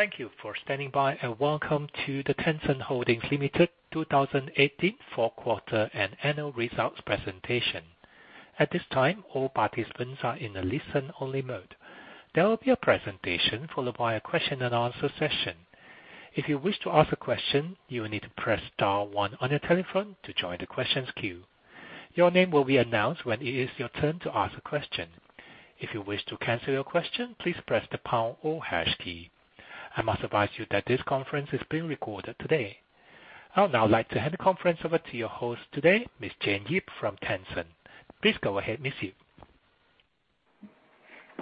Thank you for standing by, and welcome to the Tencent Holdings Limited 2018 fourth quarter and annual results presentation. At this time, all participants are in a listen-only mode. There will be a presentation followed by a question and answer session. If you wish to ask a question, you will need to press star one on your telephone to join the questions queue. Your name will be announced when it is your turn to ask a question. If you wish to cancel your question, please press the pound or hash key. I must advise you that this conference is being recorded today. I would now like to hand the conference over to your host today, Ms. Jane Yip from Tencent. Please go ahead, Ms. Yip.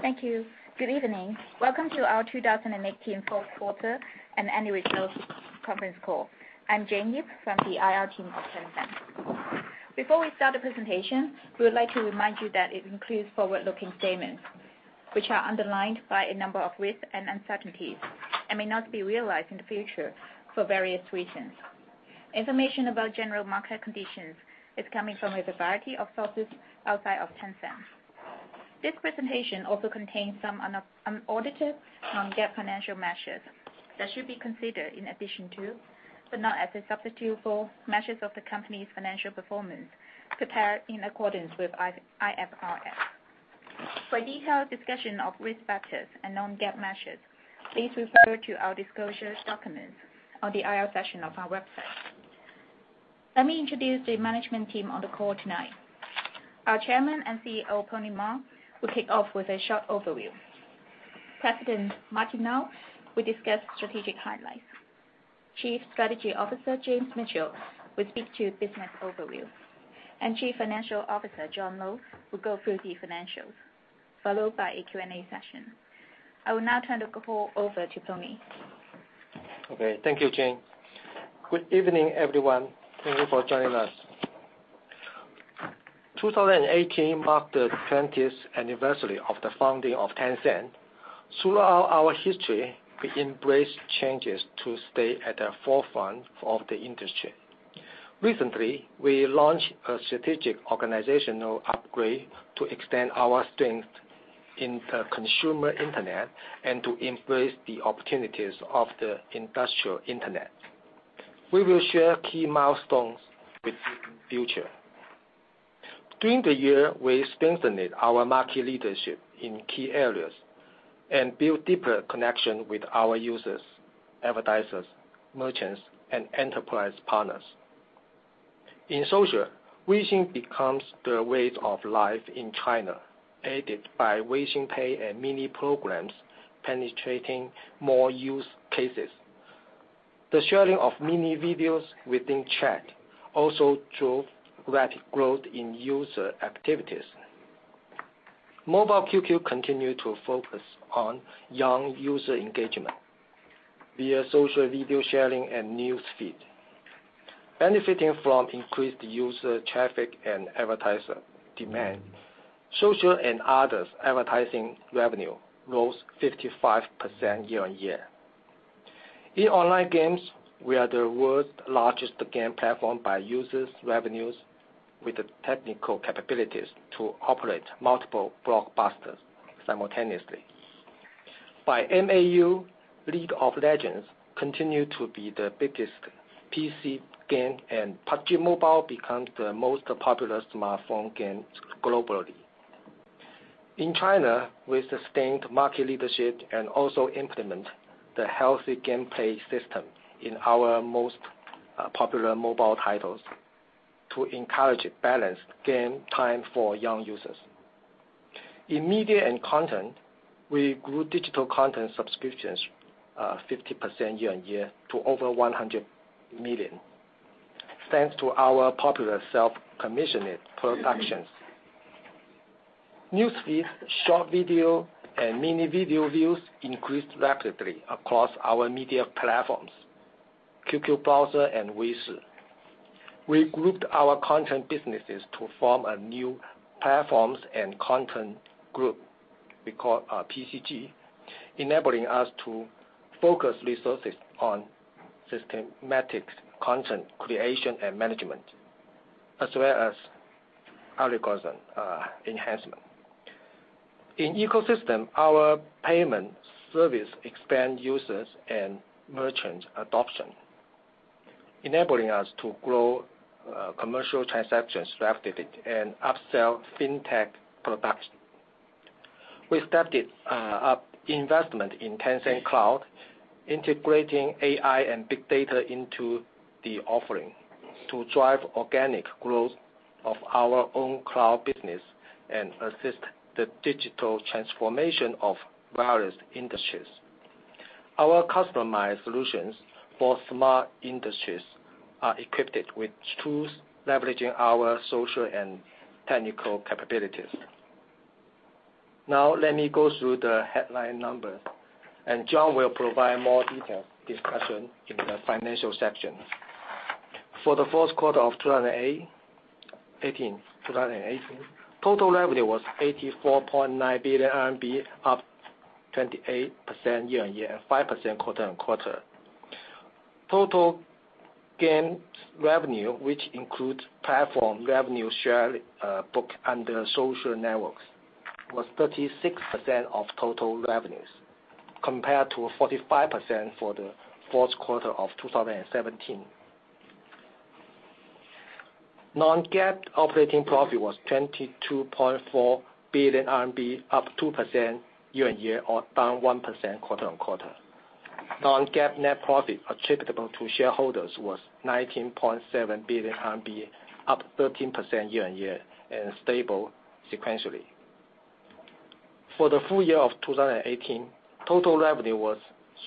Thank you. Good evening. Welcome to our 2018 fourth quarter and annual results conference call. I'm Jane Yip from the IR team of Tencent. Before we start the presentation, we would like to remind you that it includes forward-looking statements, which are underlined by a number of risks and uncertainties, and may not be realized in the future for various reasons. Information about general market conditions is coming from a variety of sources outside of Tencent. This presentation also contains some unaudited non-GAAP financial measures that should be considered in addition to, but not as a substitute for, measures of the company's financial performance prepared in accordance with IFRS. For a detailed discussion of risk factors and non-GAAP measures, please refer to our disclosures documents on the IR section of our website. Let me introduce the management team on the call tonight. Our Chairman and CEO, Pony Ma, will kick off with a short overview. President Martin Lau will discuss strategic highlights. Chief Strategy Officer James Mitchell will speak to business overview. Chief Financial Officer John Lo will go through the financials, followed by a Q&A session. I will now turn the call over to Pony. Okay. Thank you, Jane. Good evening, everyone. Thank you for joining us. 2018 marked the 20th anniversary of the founding of Tencent. Throughout our history, we embraced changes to stay at the forefront of the industry. Recently, we launched a strategic organizational upgrade to extend our strength in the consumer internet and to embrace the opportunities of the industrial internet. We will share key milestones with you in future. During the year, we strengthened our market leadership in key areas and built deeper connection with our users, advertisers, merchants, and enterprise partners. In social, Weixin becomes the way of life in China, aided by Weixin Pay and mini-programs penetrating more use cases. The sharing of mini videos within chat also drove rapid growth in user activities. Mobile QQ continued to focus on young user engagement via social video sharing and news feed. Benefiting from increased user traffic and advertiser demand, social and Others advertising revenue grows 55% year-on-year. In online games, we are the world's largest game platform by users revenues, with the technical capabilities to operate multiple blockbusters simultaneously. By MAU, League of Legends continued to be the biggest PC game, and PUBG MOBILE becomes the most popular smartphone game globally. In China, we sustained market leadership and also implement the healthy gameplay system in our most popular mobile titles to encourage balanced game time for young users. In media and content, we grew digital content subscriptions 50% year-on-year to over 100 million. Thanks to our popular self-commissioned productions. Newsfeed, short video, and mini video views increased rapidly across our media platforms, QQ Browser and Weixin. We grouped our content businesses to form a new Platforms and Content Group we call PCG, enabling us to focus resources on systematic content creation and management, as well as algorithm enhancement. In ecosystem, our payment service expand users and merchant adoption, enabling us to grow commercial transactions rapidly and upsell FinTech products. We stepped up investment in Tencent Cloud, integrating AI and big data into the offering to drive organic growth of our own cloud business and assist the digital transformation of various industries. Our customized solutions for smart industries are equipped with tools leveraging our social and technical capabilities. Now, let me go through the headline numbers, and John will provide more detailed discussion in the financial section. For the fourth quarter of 2018, total revenue was 84.9 billion RMB, up 28% year-on-year, and 5% quarter-on-quarter. Total games revenue, which includes platform revenue share, booked under social networks, was 36% of total revenues, compared to 45% for the fourth quarter of 2017. Non-IFRS operating profit was 22.4 billion RMB, up 2% year-on-year, or down 1% quarter-on-quarter. Non-IFRS net profit attributable to shareholders was 19.7 billion RMB, up 13% year-on-year, and stable sequentially. For the full year of 2018, total revenue was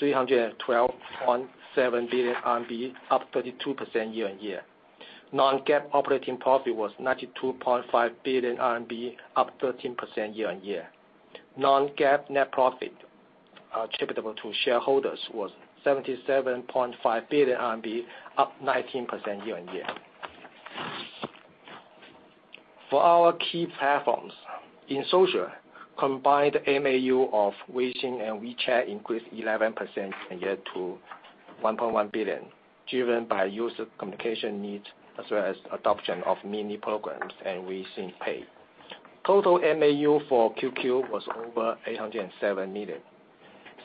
312.7 billion RMB, up 32% year-on-year. Non-IFRS operating profit was 92.5 billion RMB, up 13% year-on-year. Non-IFRS net profit attributable to shareholders was 77.5 billion RMB, up 19% year-on-year. For our key platforms, in social, combined MAU of Weixin and WeChat increased 11% year-on-year to 1.1 billion, driven by user communication needs as well as adoption of Mini Programs and Weixin Pay. Total MAU for QQ was over 807 million.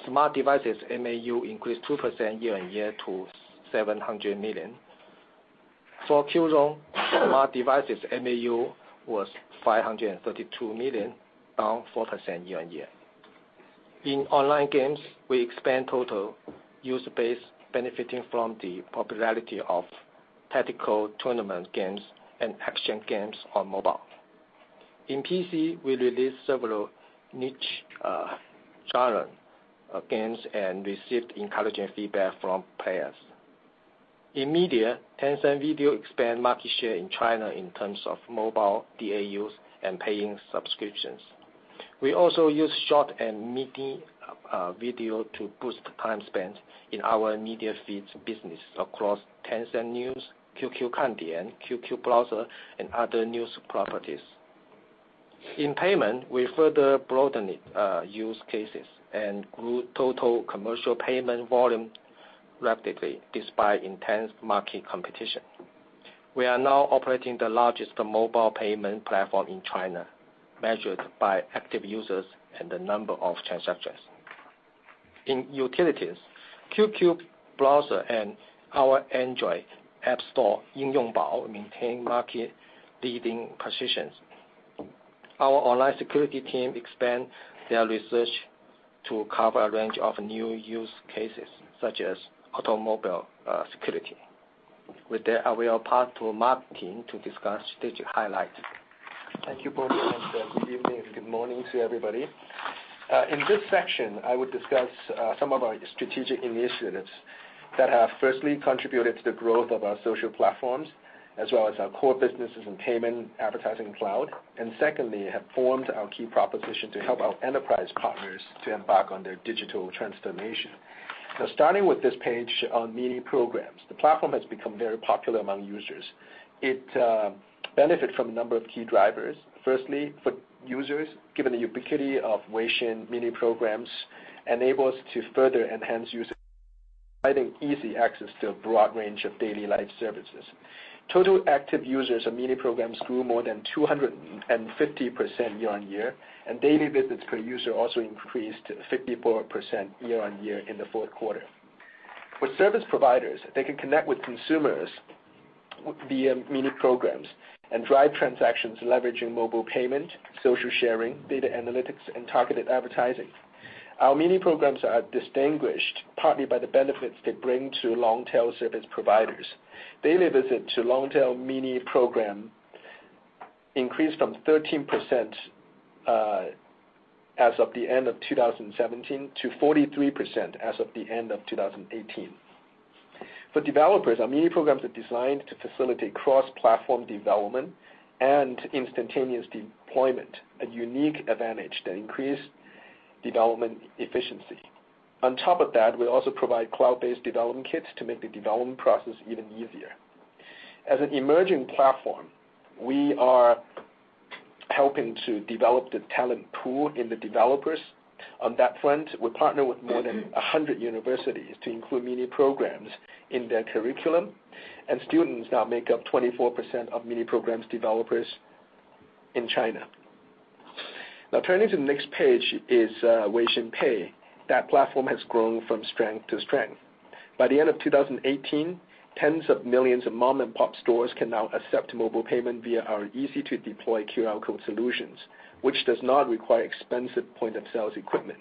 Smart devices MAU increased 2% year-on-year to 700 million. For Qzone, smart devices MAU was 532 million, down 4% year-on-year. In online games, we expand total user base benefiting from the popularity of tactical tournament games and action games on mobile. In PC, we released several niche genre games and received encouraging feedback from players. In media, Tencent Video expand market share in China in terms of mobile DAUs and paying subscriptions. We also use short and mini video to boost time spent in our media feeds business across Tencent News, QQ KanDian, QQ Browser, and other news properties. In payment, we further broaden its use cases and grew total commercial payment volume rapidly despite intense market competition. We are now operating the largest mobile payment platform in China, measured by active users and the number of transactions. In utilities, QQ Browser and our Android app store, Yingyongbao, maintain market-leading positions. Our online security team expand their research to cover a range of new use cases, such as automobile security. With that, I will pass to Martin to discuss strategic highlights. Thank you, Pony, and good evening and good morning to everybody. In this section, I will discuss some of our strategic initiatives that have firstly contributed to the growth of our social platforms, as well as our core businesses in payment, advertising, and cloud, and secondly, have formed our key proposition to help our enterprise partners to embark on their digital transformation. Starting with this page on Mini Programs. The platform has become very popular among users. It benefit from a number of key drivers, firstly, for users, given the ubiquity of Weixin, Mini Programs enable us to further enhance user- providing easy access to a broad range of daily life services. Total active users of Mini Programs grew more than 250% year-on-year, and daily visits per user also increased 54% year-on-year in the fourth quarter. For service providers, they can connect with consumers via Mini Programs and drive transactions leveraging mobile payment, social sharing, data analytics, and targeted advertising. Our Mini Programs are distinguished partly by the benefits they bring to long-tail service providers. Daily visit to long-tail Mini Program increased from 13% as of the end of 2017 to 43% as of the end of 2018. For developers, our Mini Programs are designed to facilitate cross-platform development and instantaneous deployment, a unique advantage that increase development efficiency. On top of that, we also provide cloud-based development kits to make the development process even easier. As an emerging platform, we are helping to develop the talent pool in the developers. On that front, we partner with more than 100 universities to include Mini Programs in their curriculum, and students now make up 24% of Mini Programs developers in China. Turning to the next page is Weixin Pay. That platform has grown from strength to strength. By the end of 2018, tens of millions of mom-and-pop stores can now accept mobile payment via our easy-to-deploy QR code solutions, which does not require expensive point-of-sales equipment.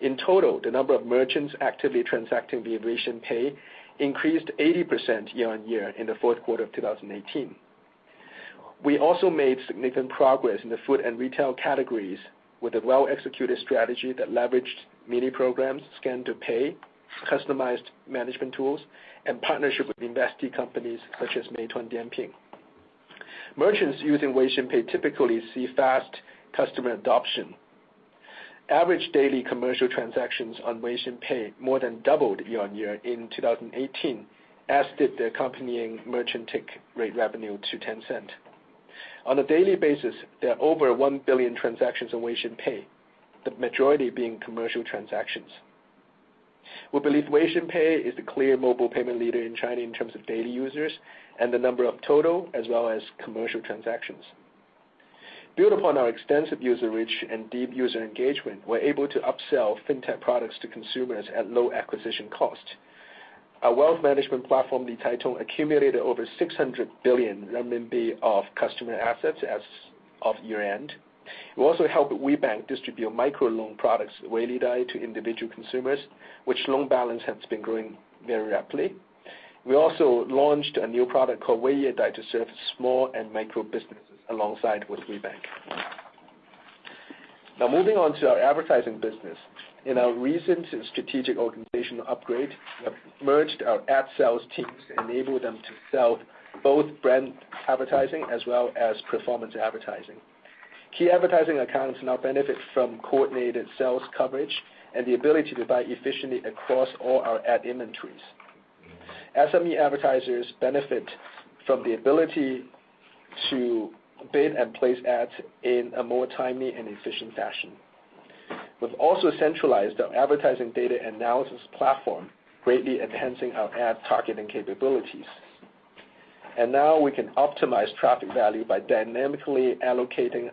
In total, the number of merchants actively transacting via Weixin Pay increased 80% year-on-year in the fourth quarter of 2018. We also made significant progress in the food and retail categories with a well-executed strategy that leveraged Mini Programs, scan-to-pay, customized management tools, and partnership with investee companies such as Meituan Dianping. Merchants using Weixin Pay typically see fast customer adoption. Average daily commercial transactions on Weixin Pay more than doubled year-on-year in 2018, as did the accompanying merchant take rate revenue to Tencent. On a daily basis, there are over one billion transactions on Weixin Pay, the majority being commercial transactions. We believe Weixin Pay is the clear mobile payment leader in China in terms of daily users and the number of total as well as commercial transactions. Built upon our extensive user reach and deep user engagement, we're able to upsell fintech products to consumers at low acquisition cost. Our wealth management platform, LiCaiTong, accumulated over 600 billion RMB of customer assets as of year-end. We also helped WeBank distribute microloan products, WeiLiDai, to individual consumers, which loan balance has been growing very rapidly. We also launched a new product called WeiYeDai to serve small and micro businesses alongside with WeBank. Now moving on to our advertising business. In our recent strategic organizational upgrade, we have merged our ad sales teams to enable them to sell both brand advertising as well as performance advertising. Key advertising accounts now benefit from coordinated sales coverage and the ability to buy efficiently across all our ad inventories. SME advertisers benefit from the ability to bid and place ads in a more timely and efficient fashion. We've also centralized our advertising data analysis platform, greatly enhancing our ad targeting capabilities. Now we can optimize traffic value by dynamically allocating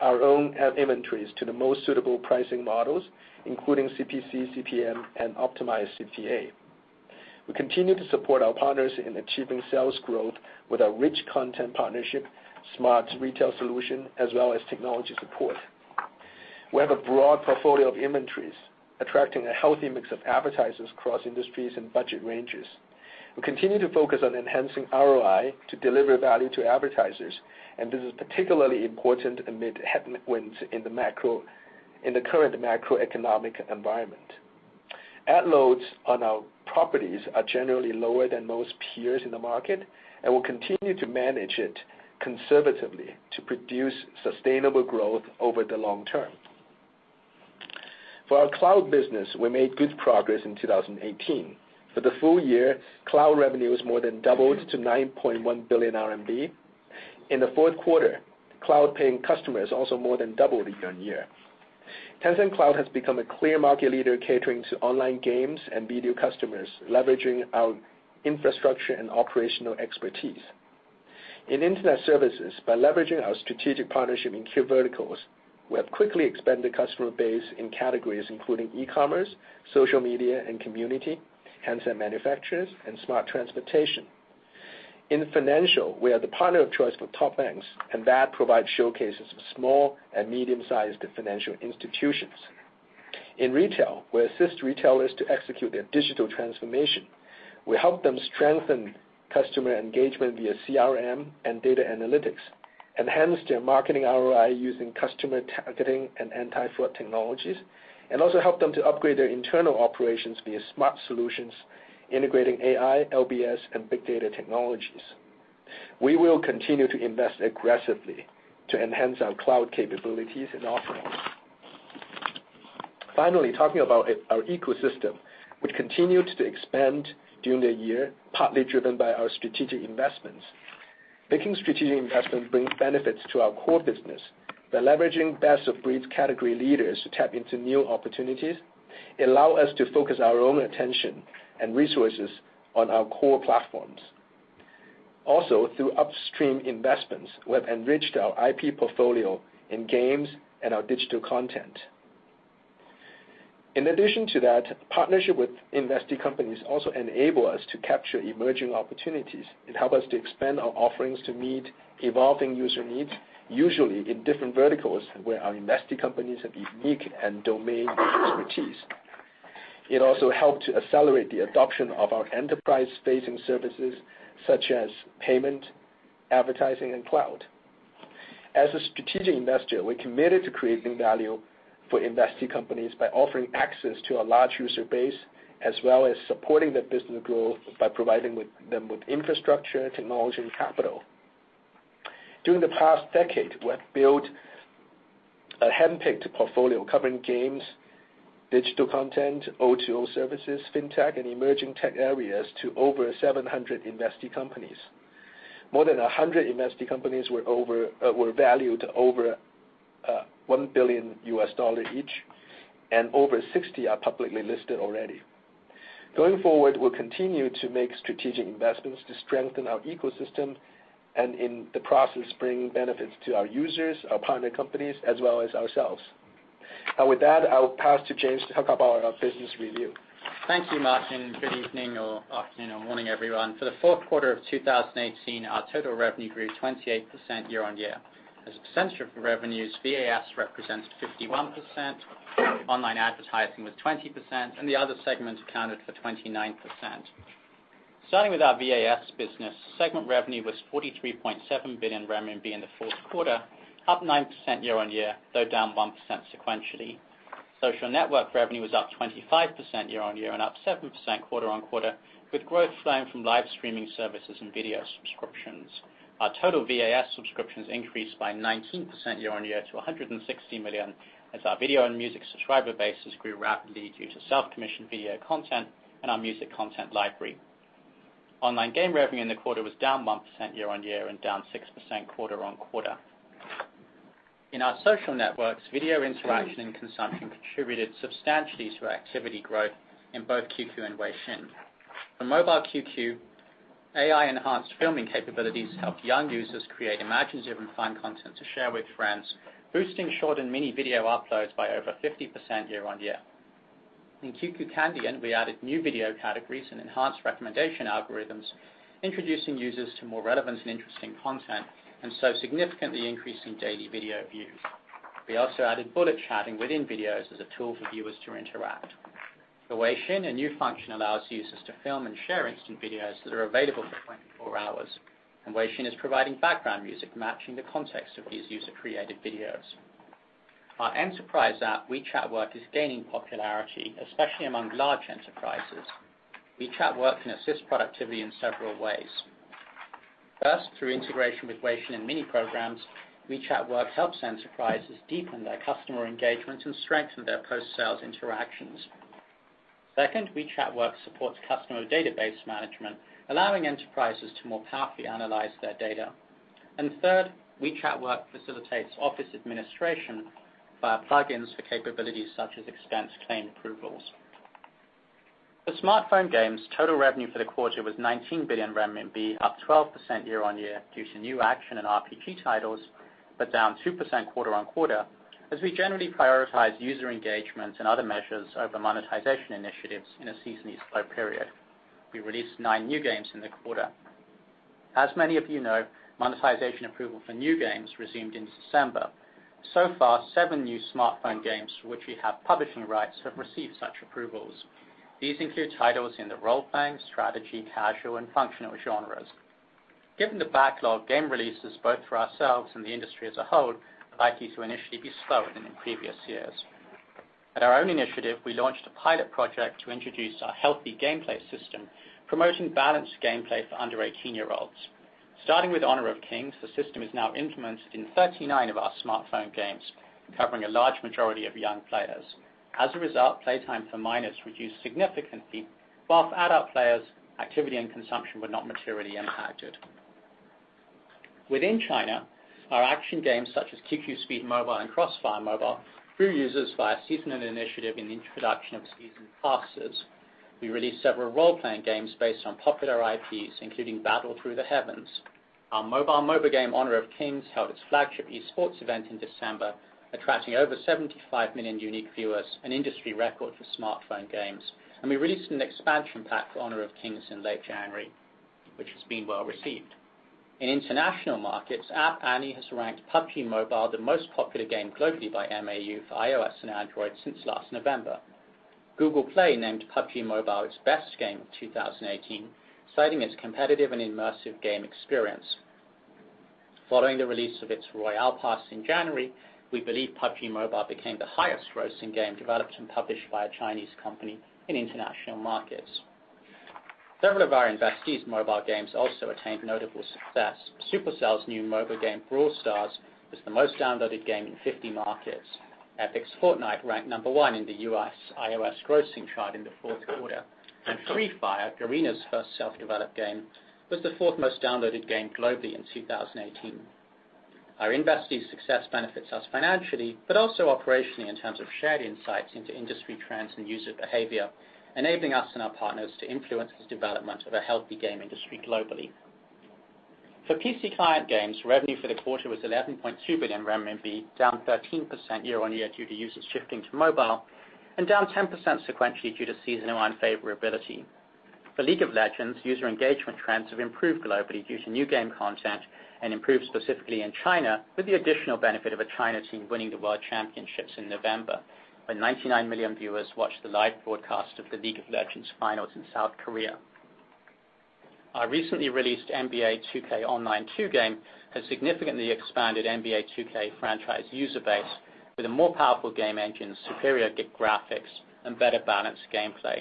our own ad inventories to the most suitable pricing models, including CPC, CPM, and optimized CPA. We continue to support our partners in achieving sales growth with our rich content partnership, smart retail solution, as well as technology support. We have a broad portfolio of inventories, attracting a healthy mix of advertisers across industries and budget ranges. We continue to focus on enhancing ROI to deliver value to advertisers, and this is particularly important amid headwinds in the current macroeconomic environment. Ad loads on our properties are generally lower than most peers in the market. We'll continue to manage it conservatively to produce sustainable growth over the long term. For our cloud business, we made good progress in 2018. For the full year, cloud revenue has more than doubled to 9.1 billion RMB. In the fourth quarter, cloud paying customers also more than doubled year-on-year. Tencent Cloud has become a clear market leader catering to online games and video customers, leveraging our infrastructure and operational expertise. In Internet services, by leveraging our strategic partnership in key verticals, we have quickly expanded the customer base in categories including e-commerce, social media and community, handset manufacturers, and smart transportation. In financial, we are the partner of choice for top banks. That provides showcases for small and medium-sized financial institutions. In retail, we assist retailers to execute their digital transformation. We help them strengthen customer engagement via CRM and data analytics, enhance their marketing ROI using customer targeting and anti-fraud technologies, and also help them to upgrade their internal operations via smart solutions integrating AI, LBS, and big data technologies. We will continue to invest aggressively to enhance our cloud capabilities and offerings. Finally, talking about our ecosystem, which continued to expand during the year, partly driven by our strategic investments. Making strategic investments brings benefits to our core business by leveraging best-of-breed category leaders to tap into new opportunities, allow us to focus our own attention and resources on our core platforms. Also, through upstream investments, we have enriched our IP portfolio in games and our digital content. In addition to that, partnership with investee companies also enable us to capture emerging opportunities and help us to expand our offerings to meet evolving user needs, usually in different verticals where our investee companies have unique and domain expertise. It also helped to accelerate the adoption of our enterprise-facing services, such as payment, advertising, and cloud. As a strategic investor, we are committed to creating value for investee companies by offering access to a large user base, as well as supporting their business growth by providing them with infrastructure, technology, and capital. During the past decade, we have built a handpicked portfolio covering games, digital content, O2O services, fintech, and emerging tech areas to over 700 investee companies. More than 100 investee companies were valued over $1 billion each, and over 60 are publicly listed already. Going forward, we'll continue to make strategic investments to strengthen our ecosystem, and in the process, bring benefits to our users, our partner companies, as well as ourselves. Now with that, I will pass to James to talk about our business review. Thank you, Martin. Good evening or afternoon or morning, everyone. For the fourth quarter of 2018, our total revenue grew 28% year-on-year. As a percentage of revenues, VAS represents 51%, online advertising was 20%, and the other segments accounted for 29%. Starting with our VAS business, segment revenue was 43.7 billion RMB in the fourth quarter, up 9% year-on-year, though down 1% sequentially. Social network revenue was up 25% year-on-year and up 7% quarter-on-quarter, with growth flowing from live streaming services and video subscriptions. Our total VAS subscriptions increased by 19% year-on-year to 160 million, as our video and music subscriber bases grew rapidly due to self-commissioned video content and our music content library. Online game revenue in the quarter was down 1% year-on-year and down 6% quarter-on-quarter. In our social networks, video interaction and consumption contributed substantially to our activity growth in both QQ and Weixin. For Mobile QQ, AI-enhanced filming capabilities helped young users create imaginative and fun content to share with friends, boosting short and mini video uploads by over 50% year-on-year. In QQ KanDian, we added new video categories and enhanced recommendation algorithms, introducing users to more relevant and interesting content, and so significantly increasing daily video views. We also added bullet chatting within videos as a tool for viewers to interact. For Weixin, a new function allows users to film and share instant videos that are available for 24 hours, and Weixin is providing background music matching the context of these user-created videos. Our enterprise app, WeChat Work, is gaining popularity, especially among large enterprises. WeChat Work can assist productivity in several ways. First, through integration with Weixin and Mini Programs, WeChat Work helps enterprises deepen their customer engagement and strengthen their post-sales interactions. Second, WeChat Work supports customer database management, allowing enterprises to more powerfully analyze their data. Third, WeChat Work facilitates office administration via plugins for capabilities such as expense claim approvals. For smartphone games, total revenue for the quarter was 19 billion RMB, up 12% year-on-year due to new action and RPG titles. Down 2% quarter-on-quarter, as we generally prioritize user engagement and other measures over monetization initiatives in a seasonally slow period. We released nine new games in the quarter. As many of you know, monetization approval for new games resumed in December. So far, seven new smartphone games for which we have publishing rights have received such approvals. These include titles in the role-playing, strategy, casual, and functional genres. Given the backlog, game releases, both for ourselves and the industry as a whole, are likely to initially be slower than in previous years. At our own initiative, we launched a pilot project to introduce our healthy gameplay system, promoting balanced gameplay for under 18-year-olds. Starting with Honor of Kings, the system is now implemented in 39 of our smartphone games, covering a large majority of young players. As a result, playtime for minors reduced significantly, whilst adult players' activity and consumption were not materially impacted. Within China, our action games such as QQ Speed Mobile and CrossFire Mobile grew users via a seasonal initiative in the introduction of season passes. We released several role-playing games based on popular IPs, including Battle Through the Heavens. Our mobile MOBA game, Honor of Kings, held its flagship esports event in December, attracting over 75 million unique viewers, an industry record for smartphone games, and we released an expansion pack for Honor of Kings in late January, which has been well-received. In international markets, App Annie has ranked PUBG Mobile the most popular game globally by MAU for iOS and Android since last November. Google Play named PUBG Mobile its best game of 2018, citing its competitive and immersive game experience. Following the release of its Royale Pass in January, we believe PUBG Mobile became the highest grossing game developed and published by a Chinese company in international markets. Several of our investees' mobile games also attained notable success. Supercell's new mobile game, Brawl Stars, was the most downloaded game in 50 markets. Epic's Fortnite ranked number one in the U.S. iOS grossing chart in the fourth quarter, and Free Fire, Garena's first self-developed game, was the fourth most downloaded game globally in 2018. Our investees' success benefits us financially, but also operationally in terms of shared insights into industry trends and user behavior, enabling us and our partners to influence the development of a healthy game industry globally. For PC client games, revenue for the quarter was 11.2 billion RMB, down 13% year-on-year due to users shifting to mobile, and down 10% sequentially due to seasonal unfavorability. For League of Legends, user engagement trends have improved globally due to new game content and improved specifically in China with the additional benefit of a China team winning the World Championships in November, when 99 million viewers watched the live broadcast of the League of Legends finals in South Korea. Our recently released NBA 2K Online 2 game has significantly expanded NBA 2K franchise user base with a more powerful game engine, superior graphics, and better balanced gameplay.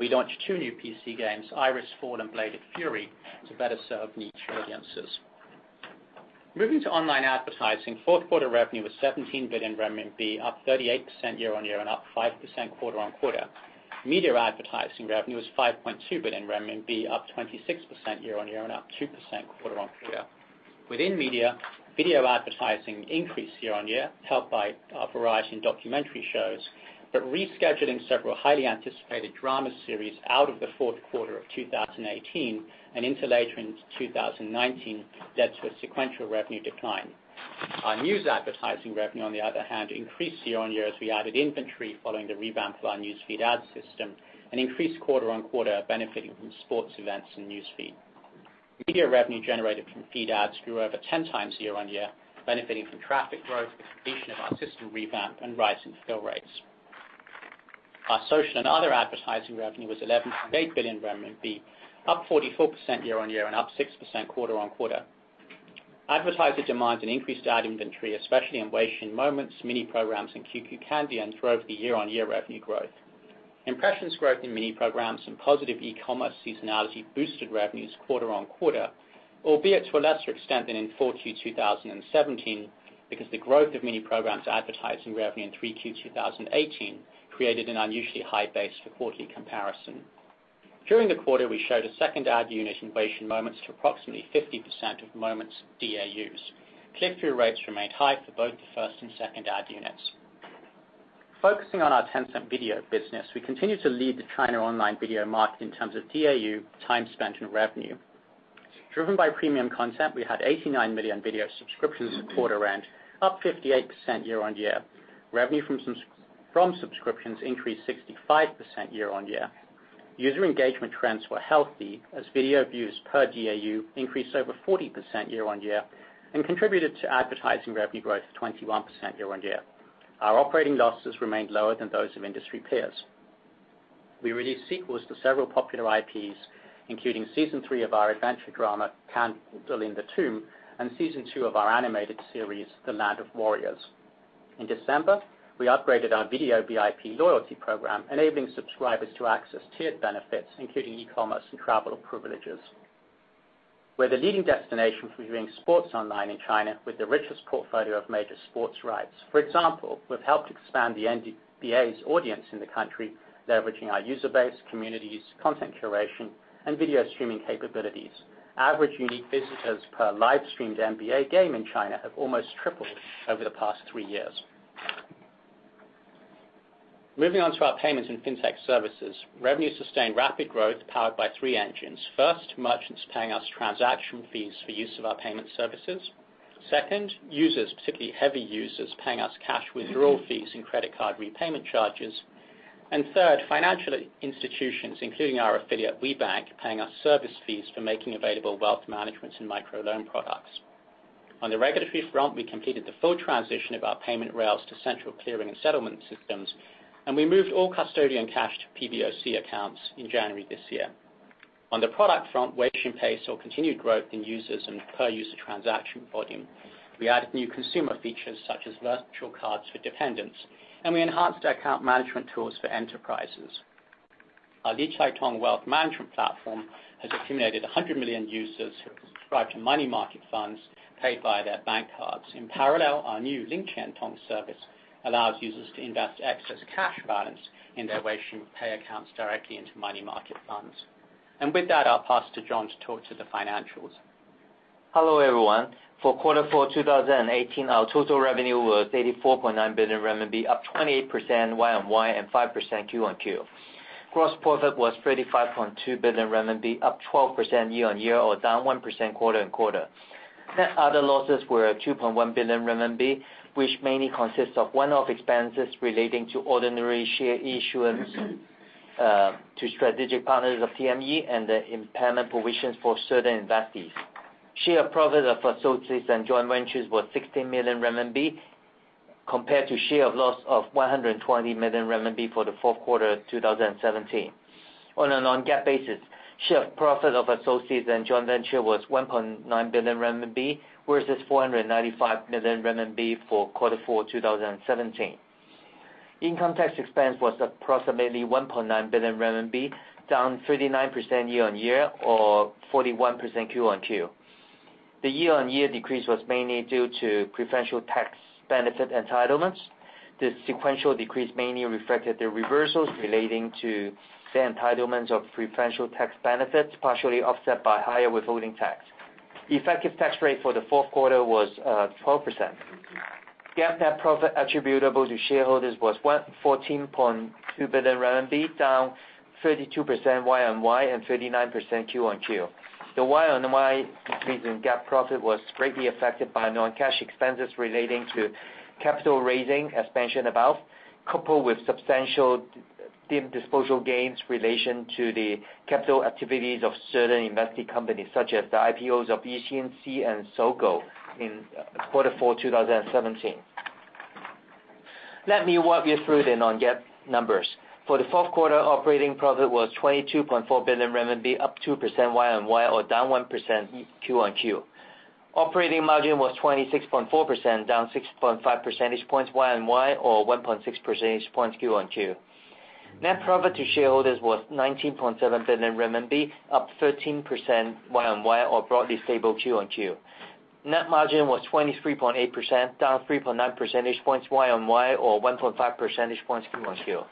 We launched two new PC games, Iris.Fall and Bladed Fury, to better serve niche audiences. Moving to online advertising, fourth quarter revenue was 17 billion RMB, up 38% year-on-year and up 5% quarter-on-quarter. Media advertising revenue was 5.2 billion RMB, up 26% year-on-year and up 2% quarter-on-quarter. Within media, video advertising increased year-on-year, helped by a variety of documentary shows, rescheduling several highly anticipated drama series out of the fourth quarter of 2018 and later into 2019 led to a sequential revenue decline. Our news advertising revenue, on the other hand, increased year-on-year as we added inventory following the revamp of our newsfeed ad system and increased quarter-on-quarter, benefiting from sports events and newsfeed. Media revenue generated from feed ads grew over 10 times year-on-year, benefiting from traffic growth, the completion of our system revamp, and rising fill rates. Our social and other advertising revenue was 11.8 billion RMB, up 44% year-on-year and up 6% quarter-on-quarter. Advertiser demands and increased ad inventory, especially in Weixin Moments, Mini Programs, and QQ KanDian, drove the year-on-year revenue growth. Impressions growth in Mini Programs and positive e-commerce seasonality boosted revenues quarter-on-quarter, albeit to a lesser extent than in 4Q 2017, because the growth of Mini Programs advertising revenue in 3Q 2018 created an unusually high base for quarterly comparison. During the quarter, we showed a second ad unit in Weixin Moments to approximately 50% of Moments DAUs. Click-through rates remained high for both the first and second ad units. Focusing on our Tencent Video business, we continue to lead the China online video market in terms of DAU, time spent, and revenue. Driven by premium content, we had 89 million video subscriptions quarter end, up 58% year-on-year. Revenue from subscriptions increased 65% year-on-year. User engagement trends were healthy as video views per DAU increased over 40% year-on-year and contributed to advertising revenue growth of 21% year-on-year. Our operating losses remained lower than those of industry peers. We released sequels to several popular IPs, including season 3 of our adventure drama, "Candle in the Tomb," and season 2 of our animated series, "The Land of Warriors." In December, we upgraded our video VIP loyalty program, enabling subscribers to access tiered benefits including e-commerce and travel privileges. We're the leading destination for viewing sports online in China, with the richest portfolio of major sports rights. For example, we've helped expand the NBA's audience in the country, leveraging our user base, communities, content curation, and video streaming capabilities. Average unique visitors per live-streamed NBA game in China have almost tripled over the past three years. Moving on to our payments and FinTech services. Revenue sustained rapid growth powered by three engines. First, merchants paying us transaction fees for use of our payment services. Second, users, particularly heavy users, paying us cash withdrawal fees and credit card repayment charges. Third, financial institutions, including our affiliate, WeBank, paying us service fees for making available wealth management and microloan products. On the regulatory front, we completed the full transition of our payment rails to central clearing and settlement systems, and we moved all custodian cash to PBOC accounts in January this year. On the product front, Weixin Pay saw continued growth in users and per-user transaction volume. We added new consumer features such as virtual cards for dependents, and we enhanced our account management tools for enterprises. Our LiCaiTong wealth management platform has accumulated 100 million users who have subscribed to money market funds paid via their bank cards. In parallel, our new Lingqiantong service allows users to invest excess cash balance in their Weixin Pay accounts directly into money market funds. With that, I'll pass to John to talk to the financials. Hello, everyone. For quarter four 2018, our total revenue was 84.9 billion RMB, up 28% year-on-year and 5% quarter-on-quarter. Gross profit was 35.2 billion RMB, up 12% year-on-year or down 1% quarter-on-quarter. Net other losses were 2.1 billion RMB, which mainly consists of one-off expenses relating to ordinary share issuance to strategic partners of TME and the impairment provisions for certain investees. Share of profit of associates and joint ventures was 16 million RMB, compared to share of loss of 120 million RMB for the fourth quarter of 2017. On a non-GAAP basis, share of profit of associates and joint venture was 1.9 billion RMB, versus 495 million RMB for quarter four 2017. Income tax expense was approximately 1.9 billion RMB, down 39% year-on-year or 41% quarter-on-quarter. The year-on-year decrease was mainly due to preferential tax benefit entitlements. The sequential decrease mainly reflected the reversals relating to the entitlements of preferential tax benefits, partially offset by higher withholding tax. The effective tax rate for the fourth quarter was 12%. GAAP net profit attributable to shareholders was 14.2 billion RMB, down 32% year-on-year and 39% quarter-on-quarter. The year-on-year decrease in GAAP profit was greatly affected by non-cash expenses relating to capital raising, as mentioned above, coupled with substantial disposal gains in relation to the capital activities of certain invested companies such as the IPOs of Yixin and Sogou in quarter four 2017. Let me walk you through the non-GAAP numbers. For the fourth quarter, operating profit was 22.4 billion RMB, up 2% year-on-year or down 1% quarter-on-quarter. Operating margin was 26.4%, down 6.5 percentage points year-on-year or 1.6 percentage points quarter-on-quarter. Net profit to shareholders was 19.7 billion RMB, up 13% year-on-year or broadly stable quarter-on-quarter. Net margin was 23.8%, down 3.9 percentage points year-on-year or 1.5 percentage points quarter-on-quarter.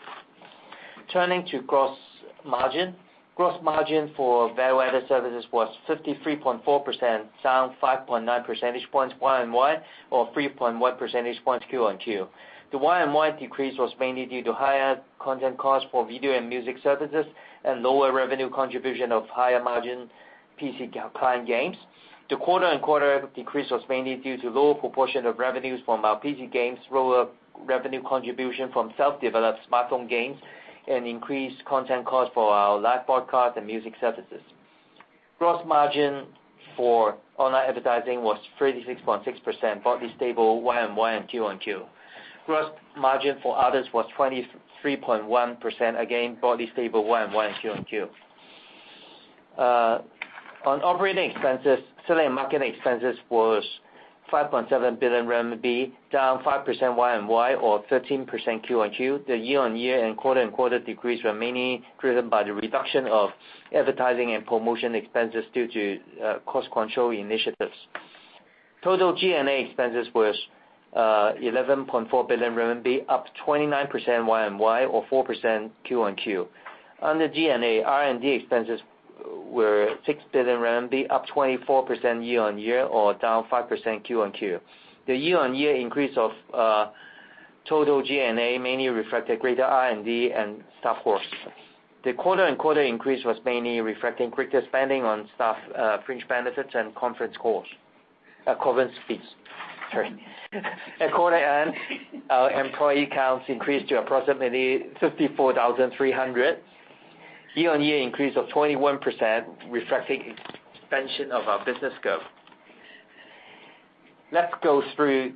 Turning to gross margin. Gross margin for value-added services was 53.4%, down 5.9 percentage points year-on-year or 3.1 percentage points quarter-on-quarter. The year-on-year decrease was mainly due to higher content costs for video and music services and lower revenue contribution of higher margin PC client games. The quarter-on-quarter decrease was mainly due to lower proportion of revenues from our PC games, lower revenue contribution from self-developed smartphone games, and increased content cost for our live broadcast and music services. Gross margin for online advertising was 36.6%, broadly stable year-on-year and quarter-on-quarter. Gross margin for Others was 23.1%, again, broadly stable year-over-year and quarter-over-quarter. On operating expenses, selling and marketing expenses was 5.7 billion RMB, down 5% year-over-year or 13% quarter-over-quarter. The year-over-year and quarter-over-quarter decrease were mainly driven by the reduction of advertising and promotion expenses due to cost control initiatives. Total G&A expenses was 11.4 billion RMB, up 29% year-over-year or 4% quarter-over-quarter. Under G&A, R&D expenses were 6 billion RMB, up 24% year-over-year or down 5% quarter-over-quarter. The year-over-year increase of total G&A mainly reflected greater R&D and staff costs. The quarter-over-quarter increase was mainly reflecting quicker spending on staff fringe benefits and conference fees. Sorry. At quarter end, our employee counts increased to approximately 54,300, year-over-year increase of 21%, reflecting expansion of our business scope. Let's go through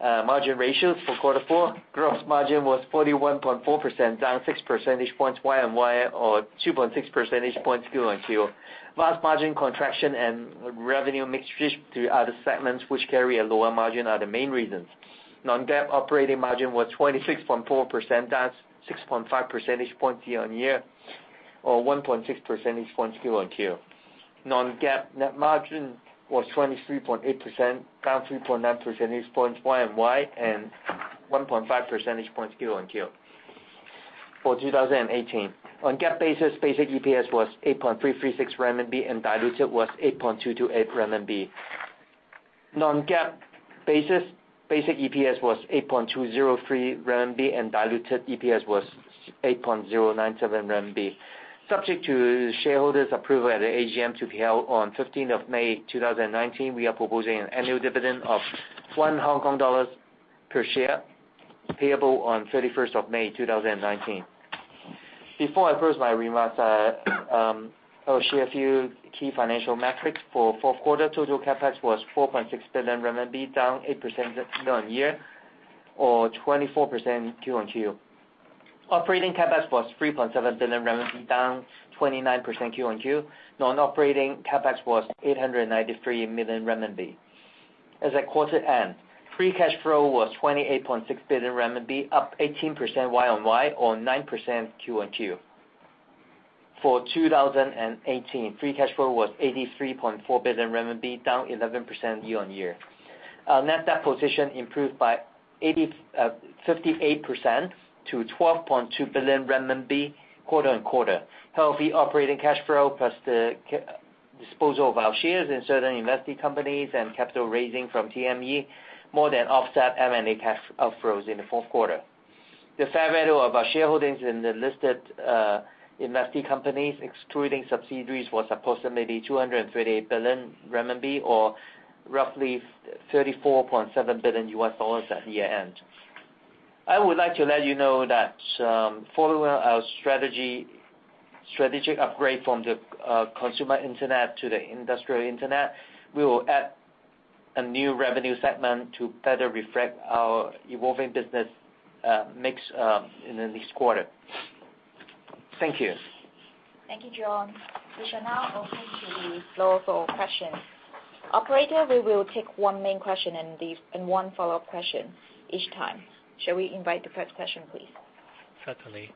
margin ratios for quarter four. Gross margin was 41.4%, down 6 percentage points year-over-year or 2.6 percentage points quarter-over-quarter. Large margin contraction and revenue mix shift to other segments which carry a lower margin are the main reasons. non-IFRS operating margin was 26.4%, down 6.5 percentage points year-over-year or 1.6 percentage points quarter-over-quarter. non-IFRS net margin was 23.8%, down 3.9 percentage points year-over-year and 1.5 percentage points quarter-over-quarter. For 2018, on GAAP basis, basic EPS was 8.336 RMB and diluted was 8.228 RMB. non-IFRS basis, basic EPS was 8.203 RMB and diluted EPS was 8.097 RMB. Subject to shareholders' approval at the AGM to be held on 15th of May 2019, we are proposing an annual dividend of 1 Hong Kong dollars per share, payable on 31st of May 2019. Before I close my remarks, I will share a few key financial metrics for fourth quarter. Total CapEx was 4.6 billion RMB, down 8% year-over-year or 24% quarter-over-quarter. Operating CapEx was 3.7 billion, down 29% quarter-over-quarter. Non-operating CapEx was 893 million renminbi. As at quarter end, free cash flow was 28.6 billion renminbi, up 18% year-over-year or 9% quarter-over-quarter. For 2018, free cash flow was 83.4 billion RMB, down 11% year-over-year. Our net debt position improved by 58% to 12.2 billion renminbi quarter-over-quarter. Healthy operating cash flow plus the disposal of our shares in certain investee companies and capital raising from TME more than offset M&A cash outflows in the fourth quarter. The fair value of our shareholdings in the listed investee companies, excluding subsidiaries, was approximately 238 billion RMB or roughly $34.7 billion at year-end. I would like to let you know that following our strategic upgrade from the consumer internet to the industrial internet, we will add a new revenue segment to better reflect our evolving business mix in this quarter. Thank you. Thank you, John. We shall now open to the floor for questions. Operator, we will take one main question and one follow-up question each time. Shall we invite the first question, please? Certainly.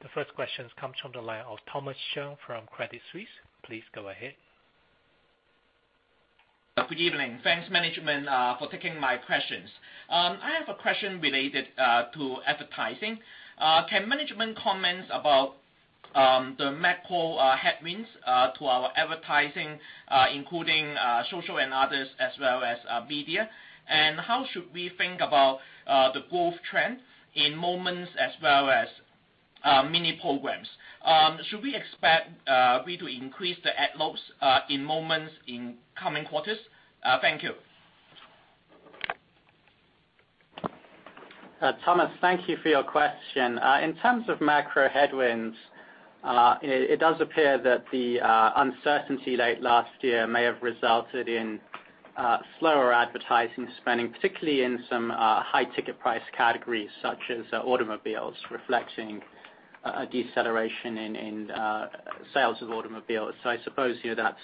The first question comes from the line of Thomas Chong from Credit Suisse. Please go ahead. Good evening. Thanks management for taking my questions. I have a question related to advertising. Can management comment about the macro headwinds to our advertising, including social and Others as well as media? How should we think about the growth trend in Weixin Moments as well as Mini Programs? Should we expect we to increase the ad loads in Weixin Moments in coming quarters? Thank you. Thomas, thank you for your question. In terms of macro headwinds, it does appear that the uncertainty late last year may have resulted in slower advertising spending, particularly in some high-ticket price categories such as automobiles, reflecting a deceleration in sales of automobiles. I suppose here that's